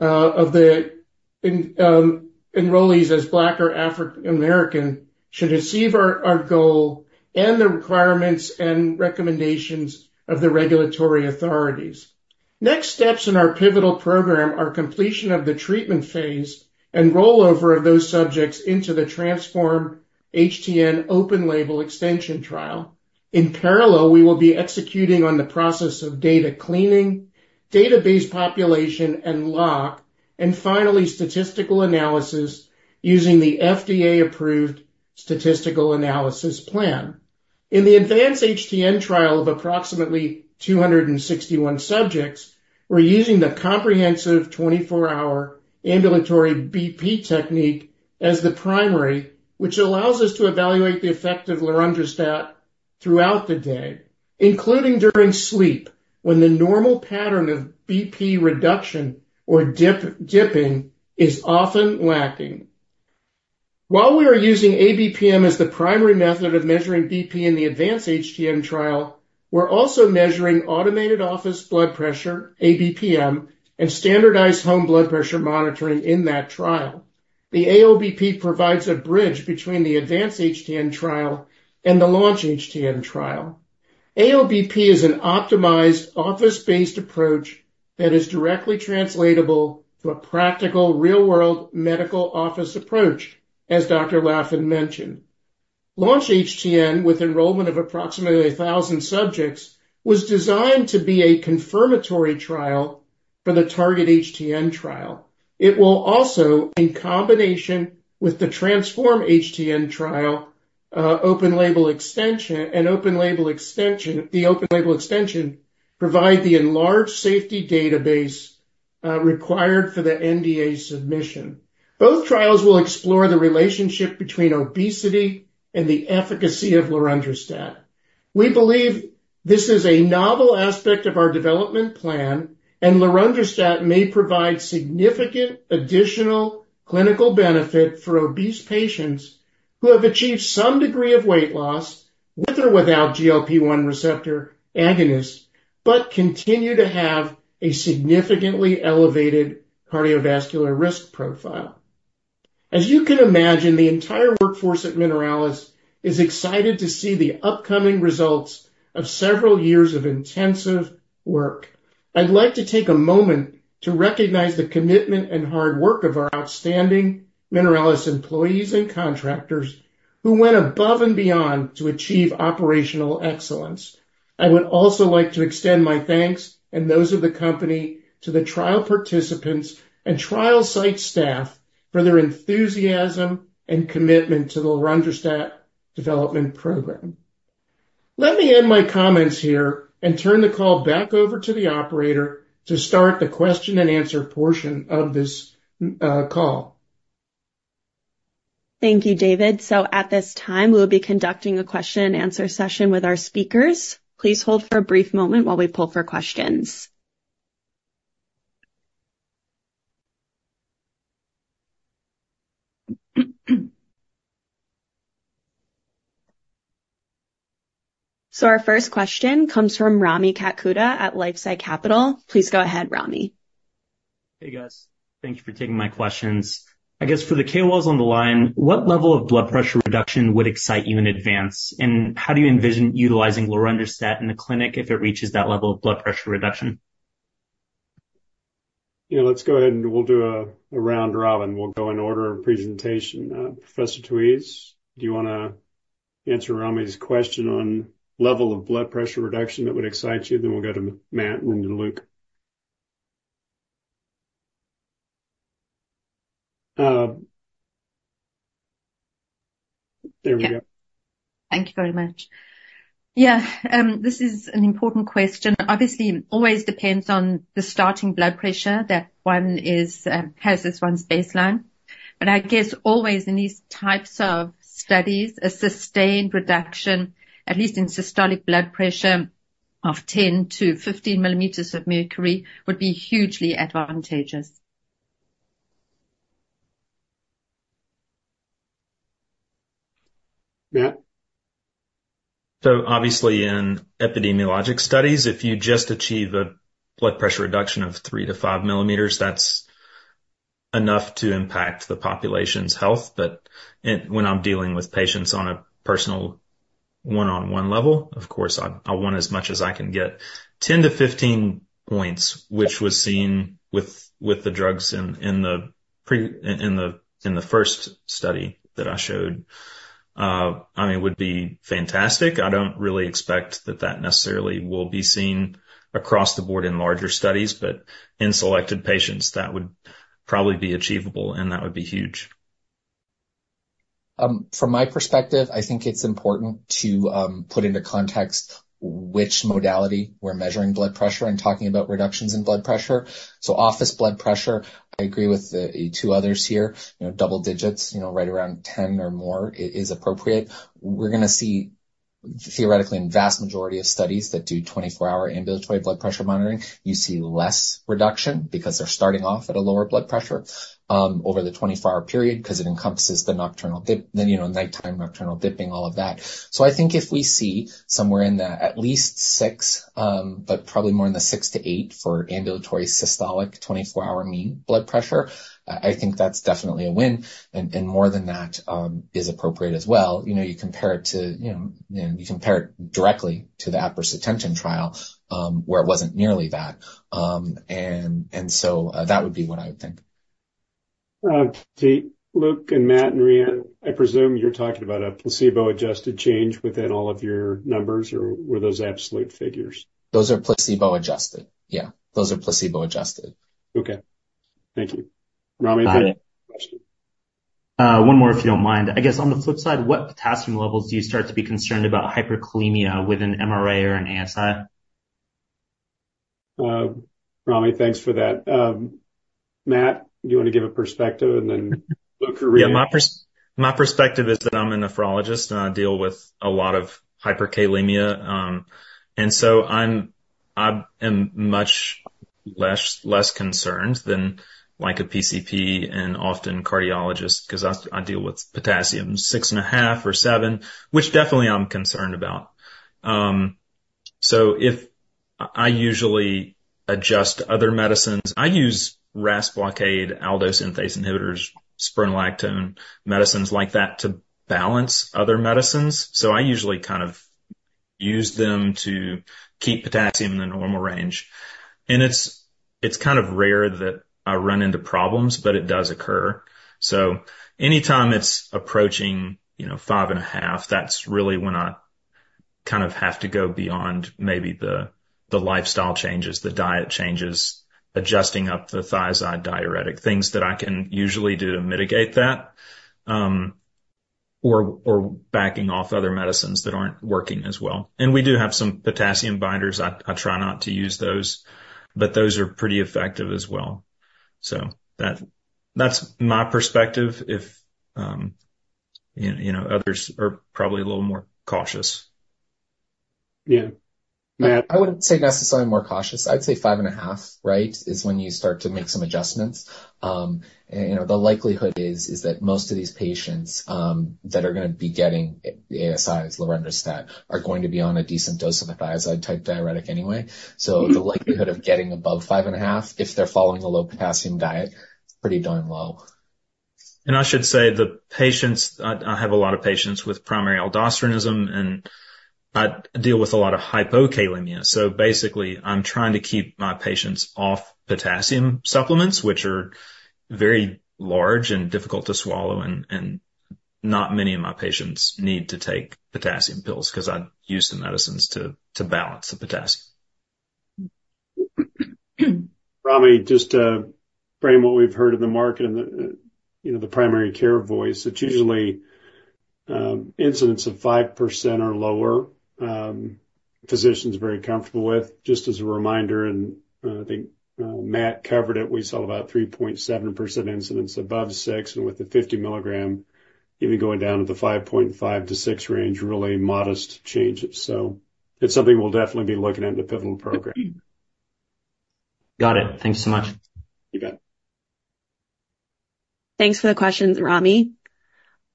of the enrollees as Black or African American, should achieve our goal and the requirements and recommendations of the regulatory authorities. Next steps in our pivotal program are completion of the treatment phase and rollover of those subjects into the Transform-HTN open-label extension trial. In parallel, we will be executing on the process of data cleaning, database population and lock, and finally, statistical analysis using the FDA-approved statistical analysis plan. In the Advance-HTN trial of approximately 261 subjects, we're using the comprehensive 24-hour ambulatory BP technique as the primary, which allows us to evaluate the effect of lorundrostat throughout the day, including during sleep, when the normal pattern of BP reduction or dipping is often lacking. While we are using ABPM as the primary method of measuring BP in the Advance-HTN trial, we're also measuring automated office blood pressure, AOBP, and standardized home blood pressure monitoring in that trial. The AOBP provides a bridge between the Advance-HTN trial and the Launch-HTN trial. AOBP is an optimized office-based approach that is directly translatable to a practical real-world medical office approach, as Dr. Laffin mentioned. Launch-HTN, with enrollment of approximately 1,000 subjects, was designed to be a confirmatory trial for the Target-HTN trial. It will also, in combination with the Transform-HTN trial open-label extension, provide the enlarged safety database required for the NDA submission. Both trials will explore the relationship between obesity and the efficacy of lorundrostat. We believe this is a novel aspect of our development plan, and lorundrostat may provide significant additional clinical benefit for obese patients who have achieved some degree of weight loss with or without GLP-1 receptor agonists, but continue to have a significantly elevated cardiovascular risk profile. As you can imagine, the entire workforce at Mineralys is excited to see the upcoming results of several years of intensive work. I'd like to take a moment to recognize the commitment and hard work of our outstanding Mineralys employees and contractors who went above and beyond to achieve operational excellence. I would also like to extend my thanks and those of the company to the trial participants and trial site staff for their enthusiasm and commitment to the lorundrostat development program. Let me end my comments here and turn the call back over to the operator to start the question-and-answer portion of this call. Thank you, David. So at this time, we will be conducting a question-and-answer session with our speakers. Please hold for a brief moment while we pull for questions. So our first question comes from Rami Katkhuda at LifeSci Capital. Please go ahead, Rami. Hey, guys. Thank you for taking my questions. I guess for the KOLs on the line, what level of blood pressure reduction would excite you in Advance? And how do you envision utilizing lorundrostat in the clinic if it reaches that level of blood pressure reduction? Yeah, let's go ahead and we'll do a round robin. We'll go in order of presentation. Professor Touyz, do you want to answer Rami's question on level of blood pressure reduction that would excite you? Then we'll go to Matt and then to Luke. There we go. Thank you very much. Yeah, this is an important question. Obviously, it always depends on the starting blood pressure that one has as one's baseline. But I guess always in these types of studies, a sustained reduction, at least in systolic blood pressure, of 10-15 millimeters of mercury would be hugely advantageous. Matt? Obviously, in epidemiologic studies, if you just achieve a blood pressure reduction of three to five millimeters, that's enough to impact the population's health. But when I'm dealing with patients on a personal one-on-one level, of course, I want as much as I can get. 10-15 points, which was seen with the drugs in the first study that I showed, I mean, would be fantastic. I don't really expect that that necessarily will be seen across the board in larger studies, but in selected patients, that would probably be achievable, and that would be huge. From my perspective, I think it's important to put into context which modality we're measuring blood pressure and talking about reductions in blood pressure. So office blood pressure, I agree with the two others here. Double digits, right around 10 or more, is appropriate. We're going to see, theoretically, in the vast majority of studies that do 24-hour ambulatory blood pressure monitoring, you see less reduction because they're starting off at a lower blood pressure over the 24-hour period because it encompasses the nighttime nocturnal dipping, all of that. So I think if we see somewhere in the at least six, but probably more in the six to eight for ambulatory systolic 24-hour mean blood pressure, I think that's definitely a win. And more than that is appropriate as well. You compare it directly to the Advance-HTN trial, where it wasn't nearly that. And so that would be what I would think. To, Luke, and Matt, and Rhian, I presume you're talking about a placebo-adjusted change within all of your numbers, or were those absolute figures? Those are placebo-adjusted. Yeah, those are placebo-adjusted. Okay. Thank you. Rami, thank you for the question. One more, if you don't mind. I guess on the flip side, what potassium levels do you start to be concerned about hyperkalemia with an MRA or an ASI? Rami, thanks for that. Matt, do you want to give a perspective and then Luke or Rhian? Yeah, my perspective is that I'm a nephrologist, and I deal with a lot of hyperkalemia. So I'm much less concerned than a PCP and often cardiologist because I deal with potassium, 6.5 or 7, which definitely I'm concerned about. I usually adjust other medicines. I use RAS blockade, aldosterone synthase inhibitors, spironolactone, medicines like that to balance other medicines. I usually kind of use them to keep potassium in the normal range. It's kind of rare that I run into problems, but it does occur. Anytime it's approaching 5.5, that's really when I kind of have to go beyond maybe the lifestyle changes, the diet changes, adjusting up the thiazide diuretic, things that I can usually do to mitigate that, or backing off other medicines that aren't working as well. We do have some potassium binders. I try not to use those, but those are pretty effective as well. So that's my perspective. Others are probably a little more cautious. Yeah. Matt? I wouldn't say necessarily more cautious. I'd say 5.5, right, is when you start to make some adjustments. The likelihood is that most of these patients that are going to be getting the ASIs, lorundrostat, are going to be on a decent dose of a thiazide-type diuretic anyway. So the likelihood of getting above 5.5, if they're following a low-potassium diet, is pretty darn low. I should say I have a lot of patients with primary aldosteronism, and I deal with a lot of hypokalemia. Basically, I'm trying to keep my patients off potassium supplements, which are very large and difficult to swallow, and not many of my patients need to take potassium pills because I use the medicines to balance the potassium. Rami, just to frame what we've heard in the market and the primary care voice, it's usually incidence of 5% or lower. Physicians are very comfortable with. Just as a reminder, and I think Matt covered it, we saw about 3.7% incidence above 6, and with the 50 milligram, even going down to the 5.5-6 range, really modest changes. So it's something we'll definitely be looking at in the pivotal program. Got it. Thanks so much. You bet. Thanks for the questions, Rami.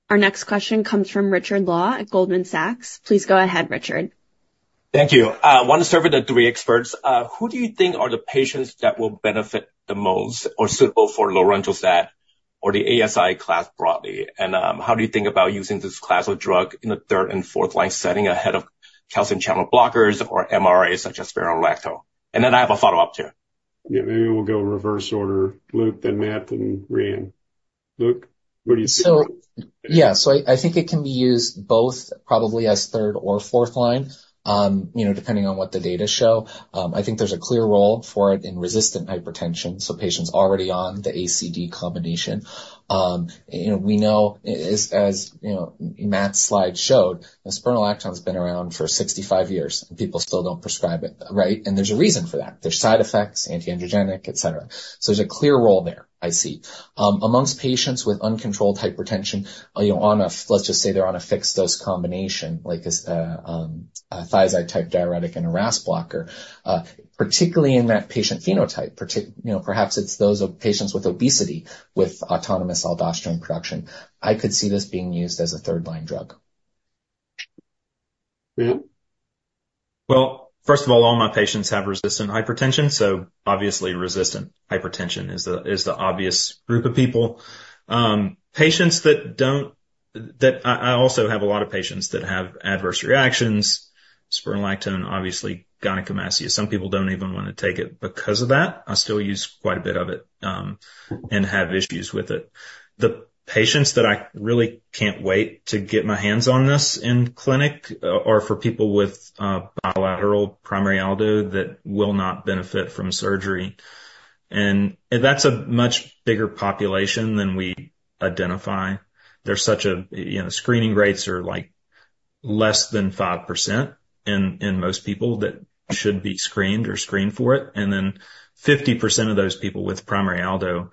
Our next question comes from Richard Law at Goldman Sachs. Please go ahead, Richard. Thank you. I want to start with the three experts. Who do you think are the patients that will benefit the most or suitable for lorundrostat or the ASI class broadly? And how do you think about using this class of drug in a third and fourth-line setting ahead of calcium channel blockers or MRAs such as spironolactone? And then I have a follow-up too. Yeah, maybe we'll go reverse order. Luke, then Matt, then Rhian. Luke, what do you think? So yeah, so I think it can be used both, probably as third or fourth-line, depending on what the data show. I think there's a clear role for it in resistant hypertension. So patients already on the ACD combination. We know, as Matt's slide showed, spironolactone has been around for 65 years, and people still don't prescribe it, right? And there's a reason for that. There's side effects, antiandrogenic, etc. So there's a clear role there, I see. Amongst patients with uncontrolled hypertension, let's just say they're on a fixed-dose combination, like a thiazide-type diuretic and a RAS blocker, particularly in that patient phenotype, perhaps it's those patients with obesity with autonomous aldosterone production, I could see this being used as a third-line drug. Yeah. Well, first of all, all my patients have resistant hypertension. So obviously, resistant hypertension is the obvious group of people. Patients that don't, I also have a lot of patients that have adverse reactions. Spironolactone, obviously, gynecomastia. Some people don't even want to take it because of that. I still use quite a bit of it and have issues with it. The patients that I really can't wait to get my hands on this in clinic are for people with bilateral primary aldo that will not benefit from surgery, and that's a much bigger population than we identify. There's such a screening rates are less than 5% in most people that should be screened or screened for it, and then 50% of those people with primary aldo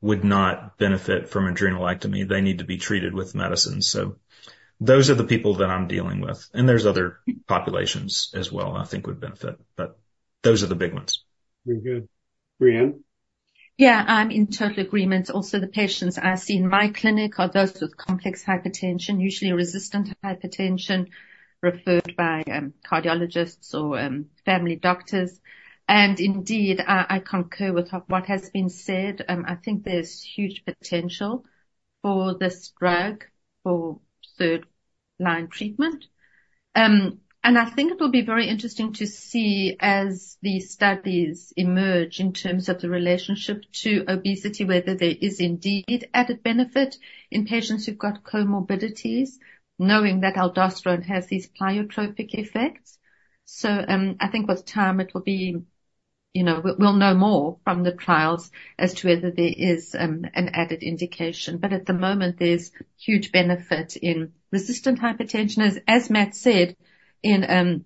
would not benefit from adrenalectomy. They need to be treated with medicines. So those are the people that I'm dealing with. and there's other populations as well I think would benefit. but those are the big ones. Very good. Rhian? Yeah, I'm in total agreement. Also, the patients I see in my clinic are those with complex hypertension, usually resistant hypertension referred by cardiologists or family doctors, and indeed, I concur with what has been said. I think there's huge potential for this drug for third-line treatment, and I think it will be very interesting to see as these studies emerge in terms of the relationship to obesity, whether there is indeed added benefit in patients who've got comorbidities, knowing that aldosterone has these pleiotropic effects, so I think with time, it will be, we'll know more from the trials as to whether there is an added indication, but at the moment, there's huge benefit in resistant hypertension, as Matt said, in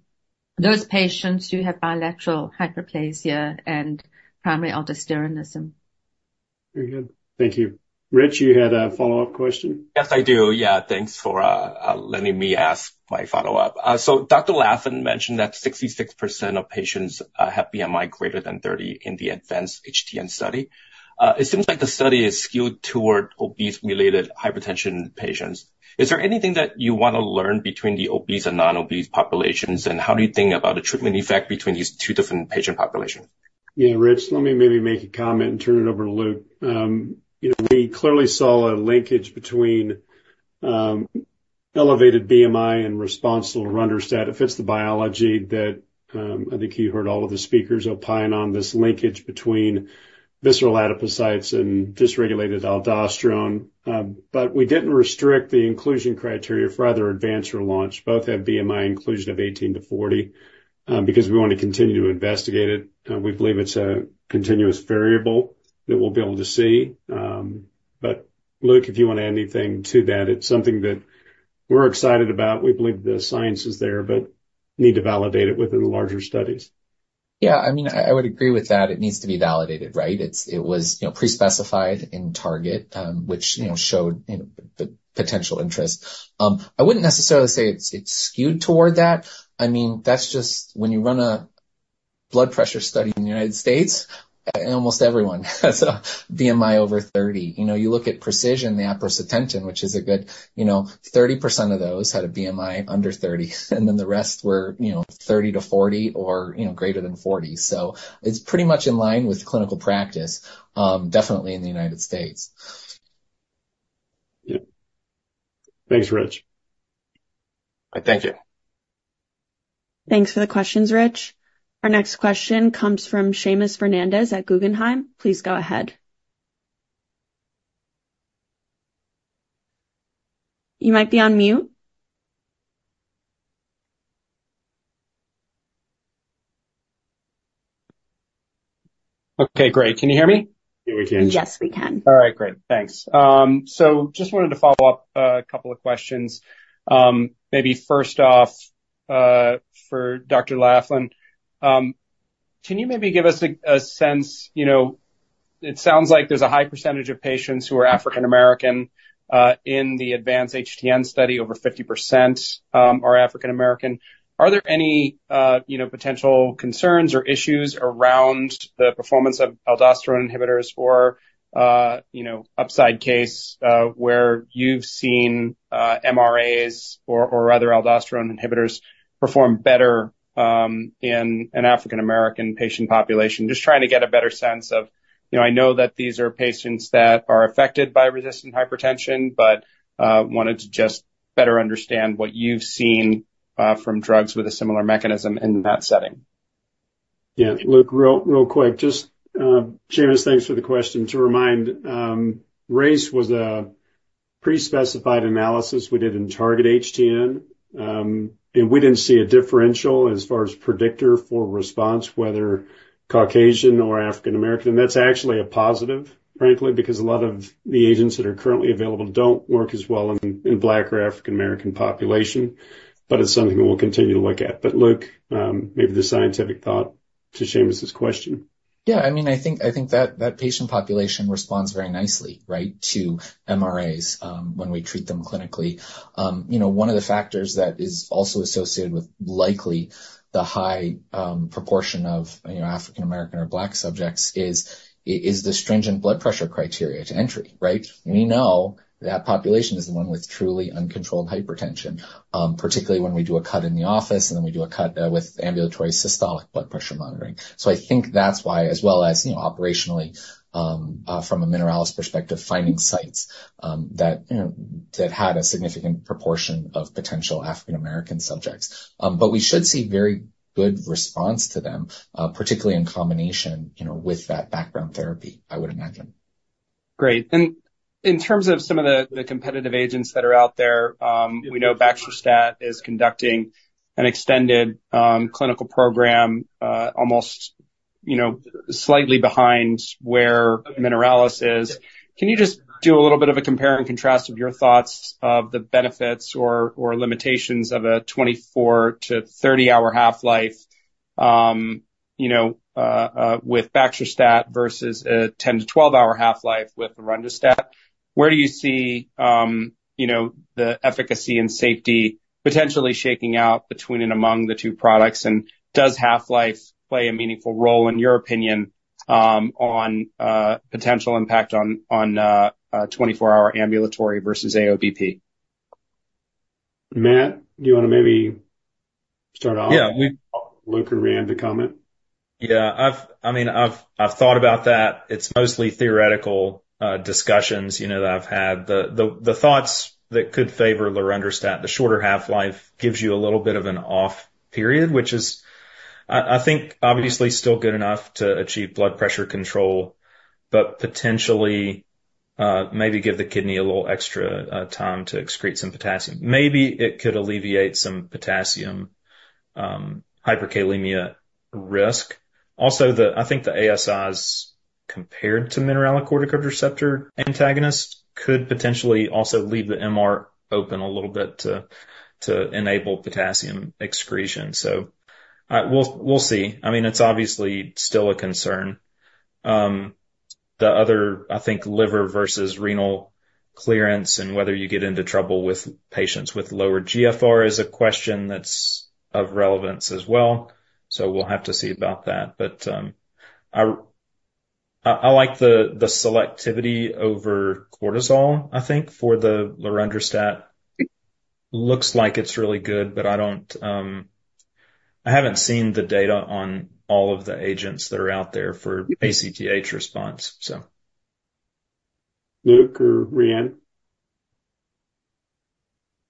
those patients who have bilateral hyperplasia and primary aldosteronism. Very good. Thank you. Rich, you had a follow-up question? Yes, I do. Yeah, thanks for letting me ask my follow-up. So Dr. Laffin mentioned that 66% of patients have BMI greater than 30 in the Advance-HTN study. It seems like the study is skewed toward obese-related hypertension patients. Is there anything that you want to learn between the obese and non-obese populations, and how do you think about the treatment effect between these two different patient populations? Yeah, Rich, let me maybe make a comment and turn it over to Luke. We clearly saw a linkage between elevated BMI and response to lorundrostat. It fits the biology that I think you heard all of the speakers opine on this linkage between visceral adipocytes and dysregulated aldosterone. But we didn't restrict the inclusion criteria for either Advance or Launch. Both have BMI inclusion of 18-40 because we want to continue to investigate it. We believe it's a continuous variable that we'll be able to see. But Luke, if you want to add anything to that, it's something that we're excited about. We believe the science is there, but need to validate it within the larger studies. Yeah, I mean, I would agree with that. It needs to be validated, right? It was pre-specified in Target, which showed potential interest. I wouldn't necessarily say it's skewed toward that. I mean, that's just when you run a blood pressure study in the United States, almost everyone has a BMI over 30. You look at PRECISION, the aprocitentan, which is a good 30% of those had a BMI under 30, and then the rest were 30-40 or greater than 40. So it's pretty much in line with clinical practice, definitely in the United States. Yeah. Thanks, Rich. I thank you. Thanks for the questions, Rich. Our next question comes from Seamus Fernandez at Guggenheim. Please go ahead. You might be on mute. Okay, great. Can you hear me? Yeah, we can. Yes, we can. All right, great. Thanks, so just wanted to follow up a couple of questions. Maybe first off, for Dr. Laffin, can you maybe give us a sense? It sounds like there's a high percentage of patients who are African American. In the Advance-HTN study, over 50% are African American. Are there any potential concerns or issues around the performance of aldosterone inhibitors or upside case where you've seen MRAs or other aldosterone inhibitors perform better in an African American patient population? Just trying to get a better sense of, I know that these are patients that are affected by resistant hypertension, but wanted to just better understand what you've seen from drugs with a similar mechanism in that setting. Yeah. Look, real quick, just Seamus, thanks for the question. To remind, race was a pre-specified analysis we did in Target-HTN, and we didn't see a differential as far as predictor for response, whether Caucasian or African-American. And that's actually a positive, frankly, because a lot of the agents that are currently available don't work as well in Black or African-American population. But it's something we'll continue to look at. But Luke, maybe the scientific thought to Seamus' question. Yeah, I mean, I think that patient population responds very nicely, right, to MRAs when we treat them clinically. One of the factors that is also associated with likely the high proportion of African-American or Black subjects is the stringent blood pressure criteria for entry, right? We know that population is the one with truly uncontrolled hypertension, particularly when we do a cuff in the office, and then we do a cuff with ambulatory systolic blood pressure monitoring. So I think that's why, as well as operationally, from a Mineralys perspective, finding sites that had a significant proportion of potential African-American subjects. But we should see very good response to them, particularly in combination with that background therapy, I would imagine. Great. And in terms of some of the competitive agents that are out there, we know baxdrostat is conducting an extended clinical program almost slightly behind where Mineralys is. Can you just do a little bit of a compare and contrast of your thoughts of the benefits or limitations of a 24-30-hour half-life with baxdrostat versus a 10-12-hour half-life with lorundrostat? Where do you see the efficacy and safety potentially shaking out between and among the two products? And does half-life play a meaningful role, in your opinion, on potential impact on 24-hour ambulatory versus AOBP? Matt, do you want to maybe start off? Yeah. Luke and Rhian, the comment? Yeah. I mean, I've thought about that. It's mostly theoretical discussions that I've had. The thoughts that could favor lorundrostat, the shorter half-life gives you a little bit of an off period, which is, I think, obviously still good enough to achieve blood pressure control, but potentially maybe give the kidney a little extra time to excrete some potassium. Maybe it could alleviate some potassium hyperkalemia risk. Also, I think the ASIs compared to mineralocorticoid receptor antagonists could potentially also leave the MR open a little bit to enable potassium excretion. So we'll see. I mean, it's obviously still a concern. The other, I think, liver versus renal clearance and whether you get into trouble with patients with lower GFR is a question that's of relevance as well. So we'll have to see about that. But I like the selectivity over cortisol, I think, for the lorundrostat. Looks like it's really good, but I haven't seen the data on all of the agents that are out there for ACTH response, so. Luke or Rhian?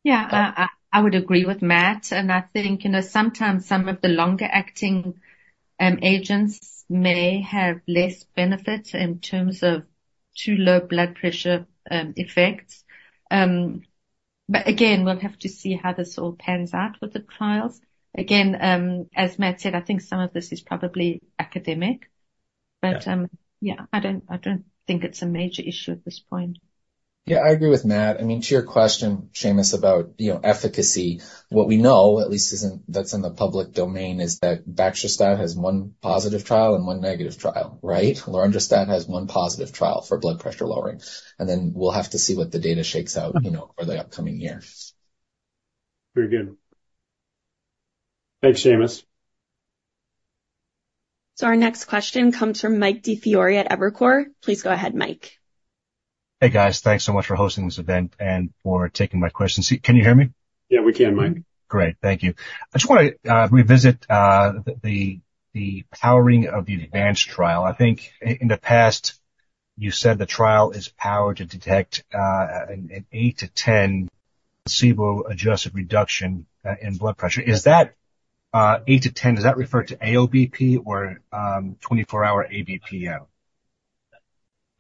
Yeah, I would agree with Matt, and I think sometimes some of the longer-acting agents may have less benefit in terms of too low blood pressure effects, but again, we'll have to see how this all pans out with the trials. Again, as Matt said, I think some of this is probably academic, but yeah, I don't think it's a major issue at this point. Yeah, I agree with Matt. I mean, to your question, Seamus, about efficacy, what we know, at least that's in the public domain, is that baxdrostat has one positive trial and one negative trial, right? Lorundrostat has one positive trial for blood pressure lowering, and then we'll have to see what the data shakes out for the upcoming year. Very good. Thanks, Seamus. So our next question comes from Mike DiFiore at Evercore. Please go ahead, Mike. Hey, guys. Thanks so much for hosting this event and for taking my questions. Can you hear me? Yeah, we can, Mike. Great. Thank you. I just want to revisit the powering of the Advance-HTN trial. I think in the past, you said the trial is powered to detect an 8-10 placebo-adjusted reduction in blood pressure. Is that 8-10, does that refer to AOBP or 24-hour ABPM?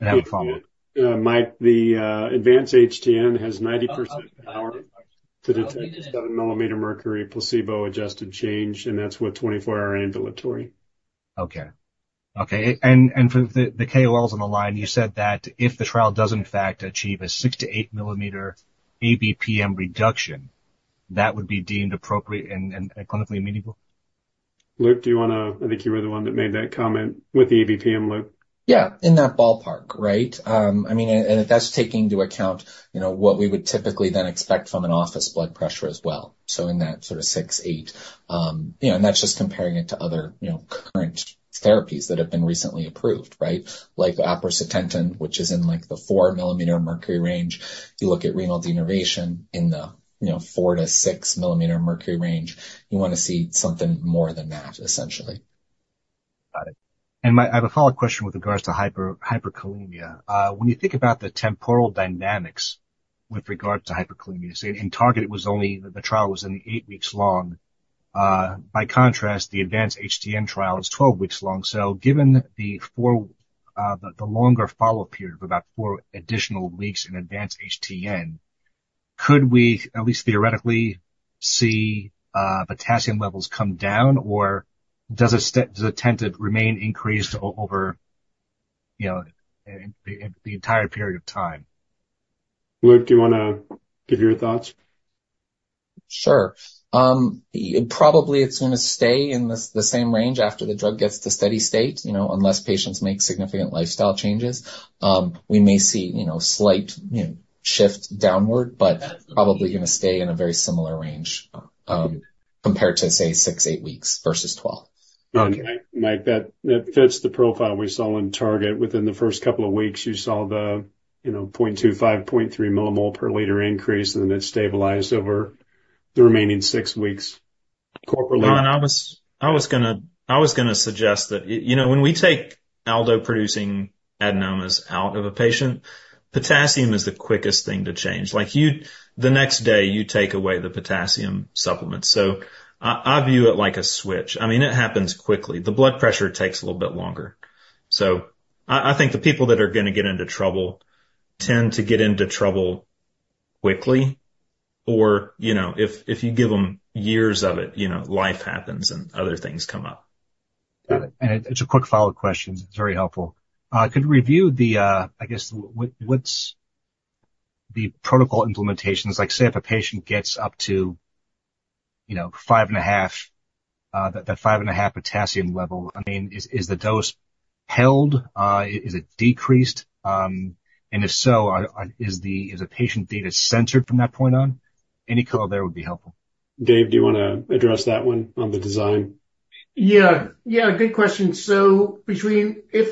And I have a follow-up. Mike, the Advance-HTN has 90% power to detect 7 mm Hg placebo-adjusted change, and that's with 24-hour ambulatory. Okay. Okay. And for the KOLs on the line, you said that if the trial does, in fact, achieve a 6- to 8-mm ABPM reduction, that would be deemed appropriate and clinically meaningful? Luke, do you want to? I think you were the one that made that comment with the ABPM, Luke. Yeah, in that ballpark, right? I mean, and that's taking into account what we would typically then expect from an office blood pressure as well. So in that sort of 6-8. And that's just comparing it to other current therapies that have been recently approved, right? Like aprocitentan, which is in the 4-mmHg range. You look at renal denervation in the 4-6-mmHg range. You want to see something more than that, essentially. Got it. And I have a follow-up question with regards to hyperkalemia. When you think about the temporal dynamics with regards to hyperkalemia, say, in Target-HTN, the trial was only eight weeks long. By contrast, the Advance-HTN trial is 12 weeks long. So given the longer follow-up period of about four additional weeks in Advance-HTN, could we, at least theoretically, see potassium levels come down, or does the potassium remain increased over the entire period of time? Luke, do you want to give your thoughts? Sure. Probably it's going to stay in the same range after the drug gets to steady state, unless patients make significant lifestyle changes. We may see a slight shift downward, but probably going to stay in a very similar range compared to, say, six, eight weeks versus 12. Okay. Mike, that fits the profile we saw in Target. Within the first couple of weeks, you saw the 0.25, 0.3 millimole per liter increase, and then it stabilized over the remaining six weeks. Congleton, I was going to suggest that when we take aldosterone-producing adenomas out of a patient, potassium is the quickest thing to change. The next day, you take away the potassium supplement. So I view it like a switch. I mean, it happens quickly. The blood pressure takes a little bit longer. So I think the people that are going to get into trouble tend to get into trouble quickly. Or if you give them years of it, life happens and other things come up. Got it. And it's a quick follow-up question. It's very helpful. Could you review the, I guess, what's the protocol implementations? Like, say, if a patient gets up to 5.5, that 5.5 potassium level, I mean, is the dose held? Is it decreased? And if so, is the patient data censored from that point on? Any color there would be helpful. Dave, do you want to address that one on the design? Yeah. Yeah. Good question. So if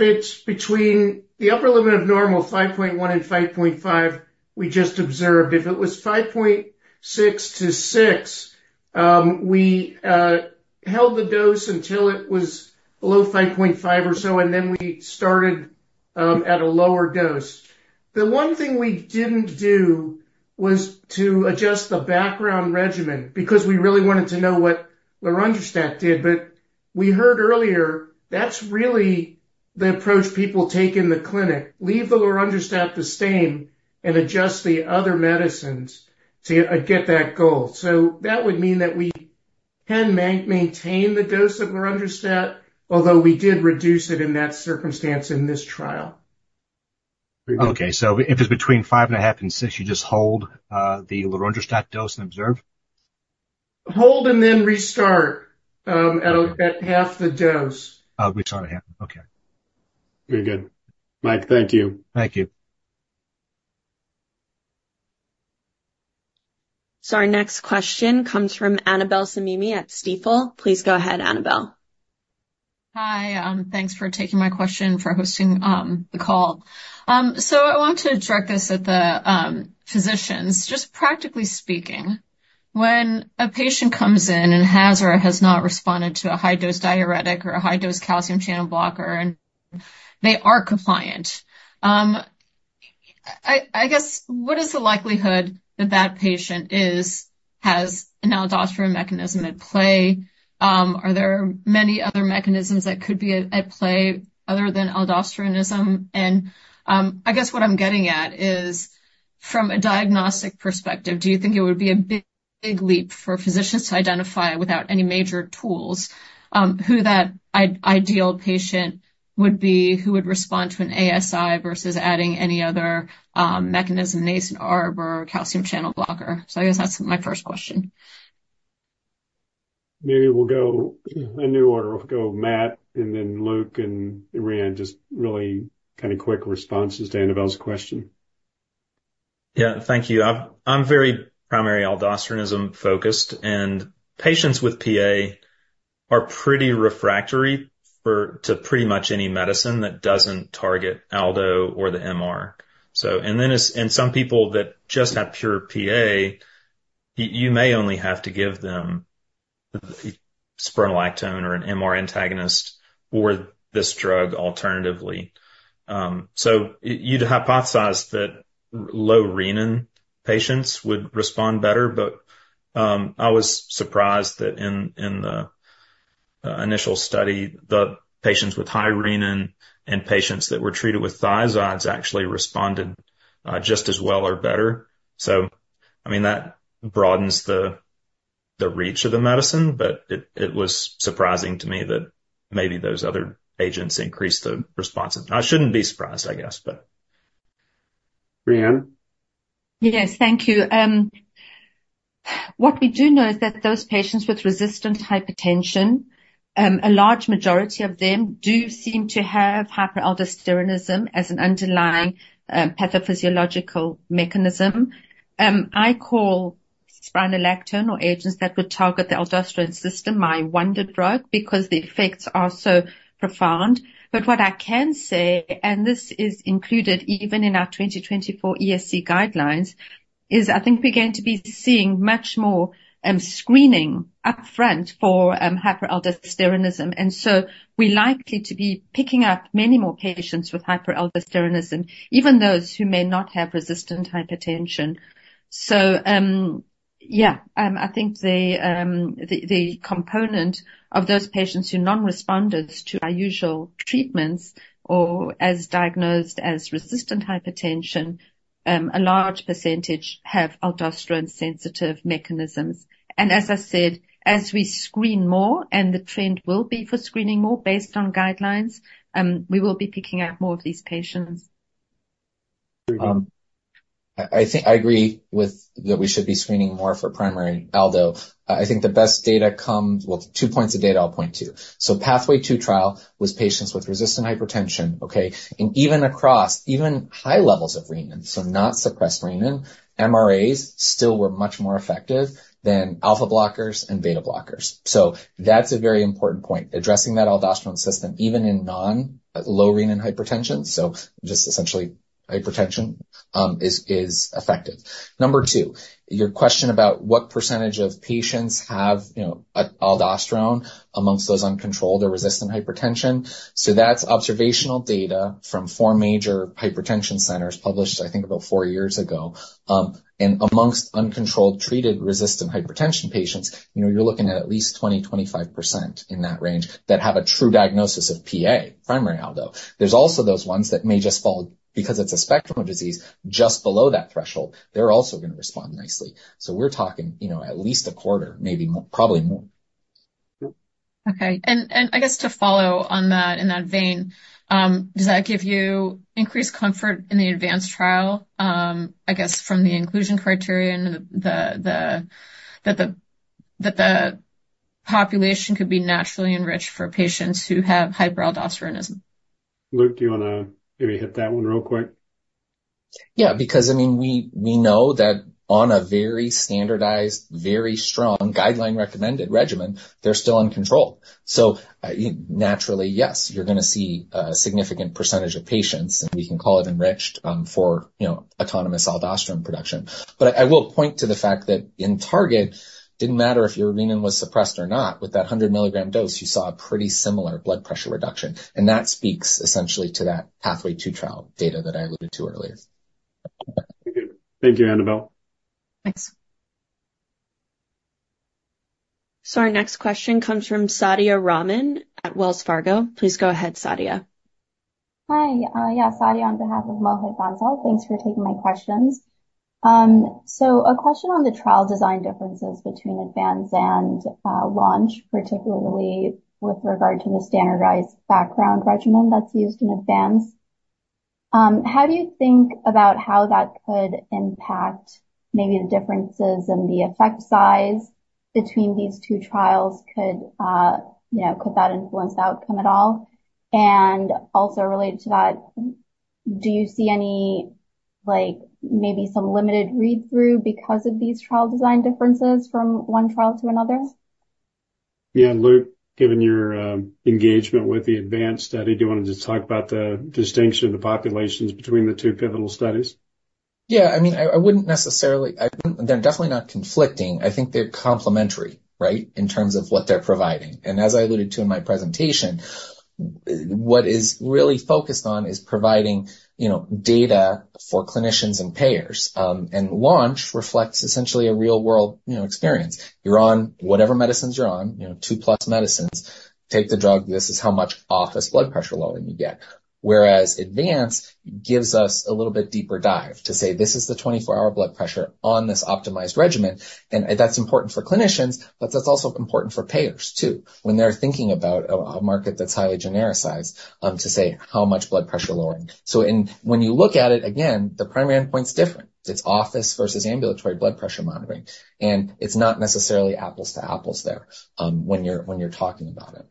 it's between the upper limit of normal, 5.1 and 5.5, we just observed. If it was 5.6-6, we held the dose until it was below 5.5 or so, and then we started at a lower dose. The one thing we didn't do was to adjust the background regimen because we really wanted to know what lorundrostat did. But we heard earlier, that's really the approach people take in the clinic. Leave the lorundrostat the same and adjust the other medicines to get that goal. So that would mean that we can maintain the dose of lorundrostat, although we did reduce it in that circumstance in this trial. Okay, so if it's between 5.5 and 6, you just hold the lorundrostat dose and observe? Hold and then restart at half the dose. At 6.5. Okay. Very good. Mike, thank you. Thank you. So our next question comes from Annabel Samimi at Stifel. Please go ahead, Annabel. Hi. Thanks for taking my question for hosting the call. So I want to direct this at the physicians. Just practically speaking, when a patient comes in and has or has not responded to a high-dose diuretic or a high-dose calcium channel blocker, and they are compliant, I guess, what is the likelihood that that patient has an aldosterone mechanism at play? Are there many other mechanisms that could be at play other than aldosteronism? And I guess what I'm getting at is, from a diagnostic perspective, do you think it would be a big leap for physicians to identify without any major tools who that ideal patient would be who would respond to an ASI versus adding any other mechanism, an ACE or ARB or calcium channel blocker? So I guess that's my first question. Maybe we'll go in new order. We'll go Matt, and then Luke and Rhian, just really kind of quick responses to Annabel's question. Yeah. Thank you. I'm very primary aldosteronism-focused. And patients with PA are pretty refractory to pretty much any medicine that doesn't target aldosterone or the MR. And then in some people that just have pure PA, you may only have to give them spironolactone or an MR antagonist or this drug alternatively. So you'd hypothesize that low renin patients would respond better. But I was surprised that in the initial study, the patients with high renin and patients that were treated with thiazides actually responded just as well or better. So I mean, that broadens the reach of the medicine, but it was surprising to me that maybe those other agents increased the response. I shouldn't be surprised, I guess, but. Rhian? Yes. Thank you. What we do know is that those patients with resistant hypertension, a large majority of them do seem to have hyperaldosteronism as an underlying pathophysiological mechanism. I call spironolactone or agents that would target the aldosterone system my wonder drug because the effects are so profound. But what I can say, and this is included even in our 2024 ESC guidelines, is I think we're going to be seeing much more screening upfront for hyperaldosteronism. And so we're likely to be picking up many more patients with hyperaldosteronism, even those who may not have resistant hypertension. So yeah, I think the component of those patients who non-responded to our usual treatments or as diagnosed as resistant hypertension, a large percentage have aldosterone-sensitive mechanisms. As I said, as we screen more, and the trend will be for screening more based on guidelines, we will be picking up more of these patients. I agree that we should be screening more for primary aldosteronism. I think the best data comes with two points of data I'll point to. Pathway-2 trial was patients with resistant hypertension, okay? And even across high levels of renin, so not suppressed renin, MRAs still were much more effective than alpha blockers and beta blockers. So that's a very important point. Addressing that aldosterone system, even in non-low renin hypertension, so just essentially hypertension, is effective. Number two, your question about what percentage of patients have aldosterone amongst those uncontrolled or resistant hypertension. So that's observational data from four major hypertension centers published, I think, about four years ago. And amongst uncontrolled treated resistant hypertension patients, you're looking at least 20-25% in that range that have a true diagnosis of PA, primary aldosteronism. There's also those ones that may just fall, because it's a spectrum of disease, just below that threshold. They're also going to respond nicely. So we're talking at least a quarter, maybe probably more. Okay. And I guess to follow on that in that vein, does that give you increased comfort in the Advance-HTN trial, I guess, from the inclusion criterion that the population could be naturally enriched for patients who have hyperaldosteronism? Luke, do you want to maybe hit that one real quick? Yeah, because I mean, we know that on a very standardized, very strong guideline-recommended regimen, they're still uncontrolled. So naturally, yes, you're going to see a significant percentage of patients, and we can call it enriched for autonomous aldosterone production. But I will point to the fact that in Target, it didn't matter if your renin was suppressed or not. With that 100-milligram dose, you saw a pretty similar blood pressure reduction. And that speaks essentially to that Pathway-2 trial data that I alluded to earlier. Thank you, Annabel. Thanks. So our next question comes from Saadia Rahman at Wells Fargo. Please go ahead, Saadia. Hi. Yeah, Saadia on behalf of Mohit Bansal. Thanks for taking my questions. So a question on the trial design differences between Advance and Launch, particularly with regard to the standardized background regimen that's used in Advance. How do you think about how that could impact maybe the differences in the effect size between these two trials? Could that influence the outcome at all? And also related to that, do you see maybe some limited read-through because of these trial design differences from one trial to another? Yeah. Luke, given your engagement with the advanced study, do you want to just talk about the distinction of the populations between the two pivotal studies? Yeah. I mean, I wouldn't necessarily. They're definitely not conflicting. I think they're complementary, right, in terms of what they're providing. And as I alluded to in my presentation, what is really focused on is providing data for clinicians and payers. And Launch reflects essentially a real-world experience. You're on whatever medicines you're on, two-plus medicines. Take the drug. This is how much office blood pressure lowering you get. Whereas Advance gives us a little bit deeper dive to say, "This is the 24-hour blood pressure on this optimized regimen." And that's important for clinicians, but that's also important for payers too, when they're thinking about a market that's highly genericized to say, "How much blood pressure lowering?" So when you look at it, again, the primary endpoint's different. It's office versus ambulatory blood pressure monitoring. And it's not necessarily apples to apples there when you're talking about it.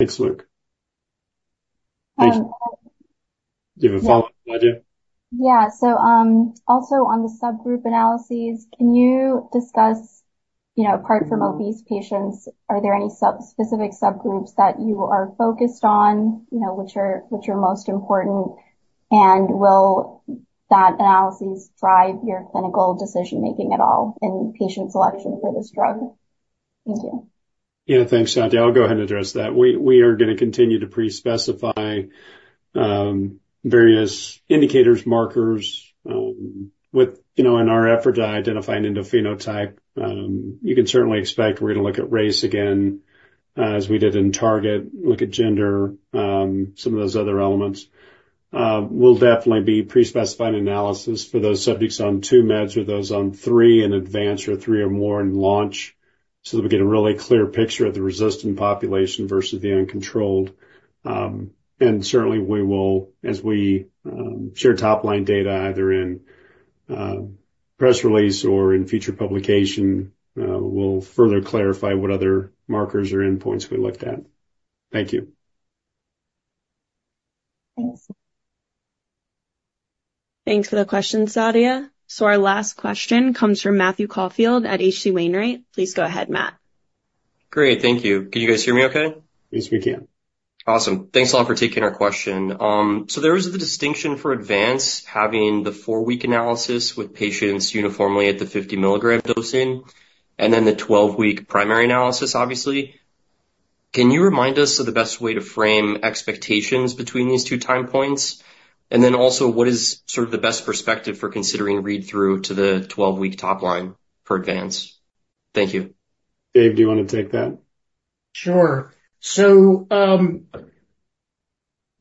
Thanks, Luke. Thank you. Do you have a follow-up, Saadia? Yeah. So also on the subgroup analyses, can you discuss, apart from obese patients, are there any specific subgroups that you are focused on, which are most important? And will that analysis drive your clinical decision-making at all in patient selection for this drug? Thank you. Yeah. Thanks, Saadia. I'll go ahead and address that. We are going to continue to pre-specify various indicators, markers. In our effort to identify an endophenotype, you can certainly expect we're going to look at race again, as we did in Target, look at gender, some of those other elements. We'll definitely be pre-specifying analysis for those subjects on two meds or those on three in advance or three or more in launch so that we get a really clear picture of the resistant population versus the uncontrolled, and certainly, as we share top-line data either in press release or in future publication, we'll further clarify what other markers or endpoints we looked at. Thank you. Thanks. Thanks for the question, Saadia. Our last question comes from Matthew Caufield at H.C. Wainwright. Please go ahead, Matt. Great. Thank you. Can you guys hear me okay? Yes, we can. Awesome. Thanks a lot for taking our question. So there is the distinction for Advance having the four-week analysis with patients uniformly at the 50-milligram dosing and then the 12-week primary analysis, obviously. Can you remind us of the best way to frame expectations between these two time points? And then also, what is sort of the best perspective for considering read-through to the 12-week top line for Advance? Thank you. Dave, do you want to take that? Sure. So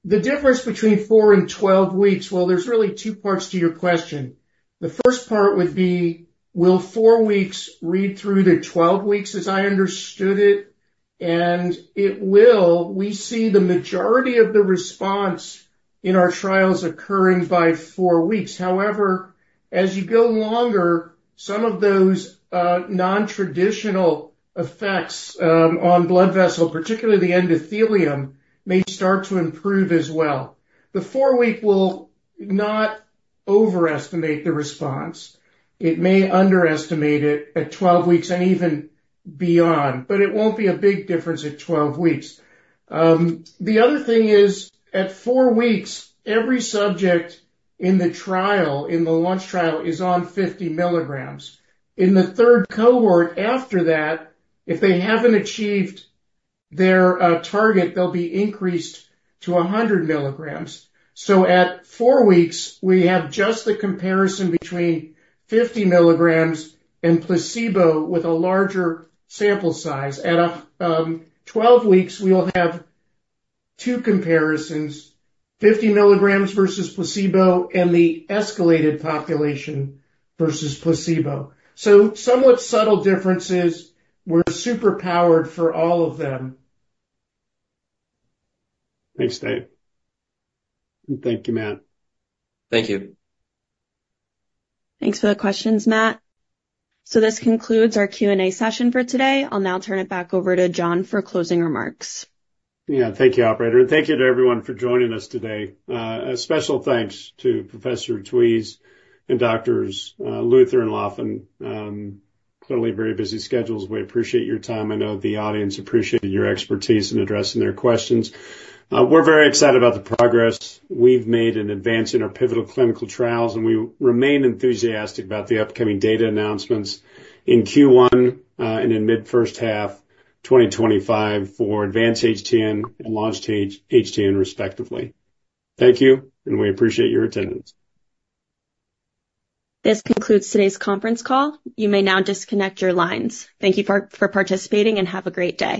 the difference between four and 12 weeks, well, there's really two parts to your question. The first part would be, will four weeks read through to 12 weeks as I understood it? And it will. We see the majority of the response in our trials occurring by four weeks. However, as you go longer, some of those non-traditional effects on blood vessel, particularly the endothelium, may start to improve as well. The four-week will not overestimate the response. It may underestimate it at 12 weeks and even beyond, but it won't be a big difference at 12 weeks. The other thing is, at four weeks, every subject in the trial, in the launch trial, is on 50 milligrams. In the third cohort after that, if they haven't achieved their target, they'll be increased to 100 milligrams. At four weeks, we have just the comparison between 50 milligrams and placebo with a larger sample size. At 12 weeks, we'll have two comparisons: 50 milligrams versus placebo and the escalated population versus placebo. Somewhat subtle differences. We're superpowered for all of them. Thanks, Dave. And thank you, Matt. Thank you. Thanks for the questions, Matt. So this concludes our Q&A session for today. I'll now turn it back over to Jon for closing remarks. Yeah. Thank you, operator. And thank you to everyone for joining us today. A special thanks to Professor Touyz and Doctors Luther and Laffin. Clearly, very busy schedules. We appreciate your time. I know the audience appreciated your expertise in addressing their questions. We're very excited about the progress we've made in advancing our pivotal clinical trials, and we remain enthusiastic about the upcoming data announcements in Q1 and in mid-first half 2025 for Advance-HTN and Launch-HTN, respectively. Thank you, and we appreciate your attendance. This concludes today's conference call. You may now disconnect your lines. Thank you for participating and have a great day.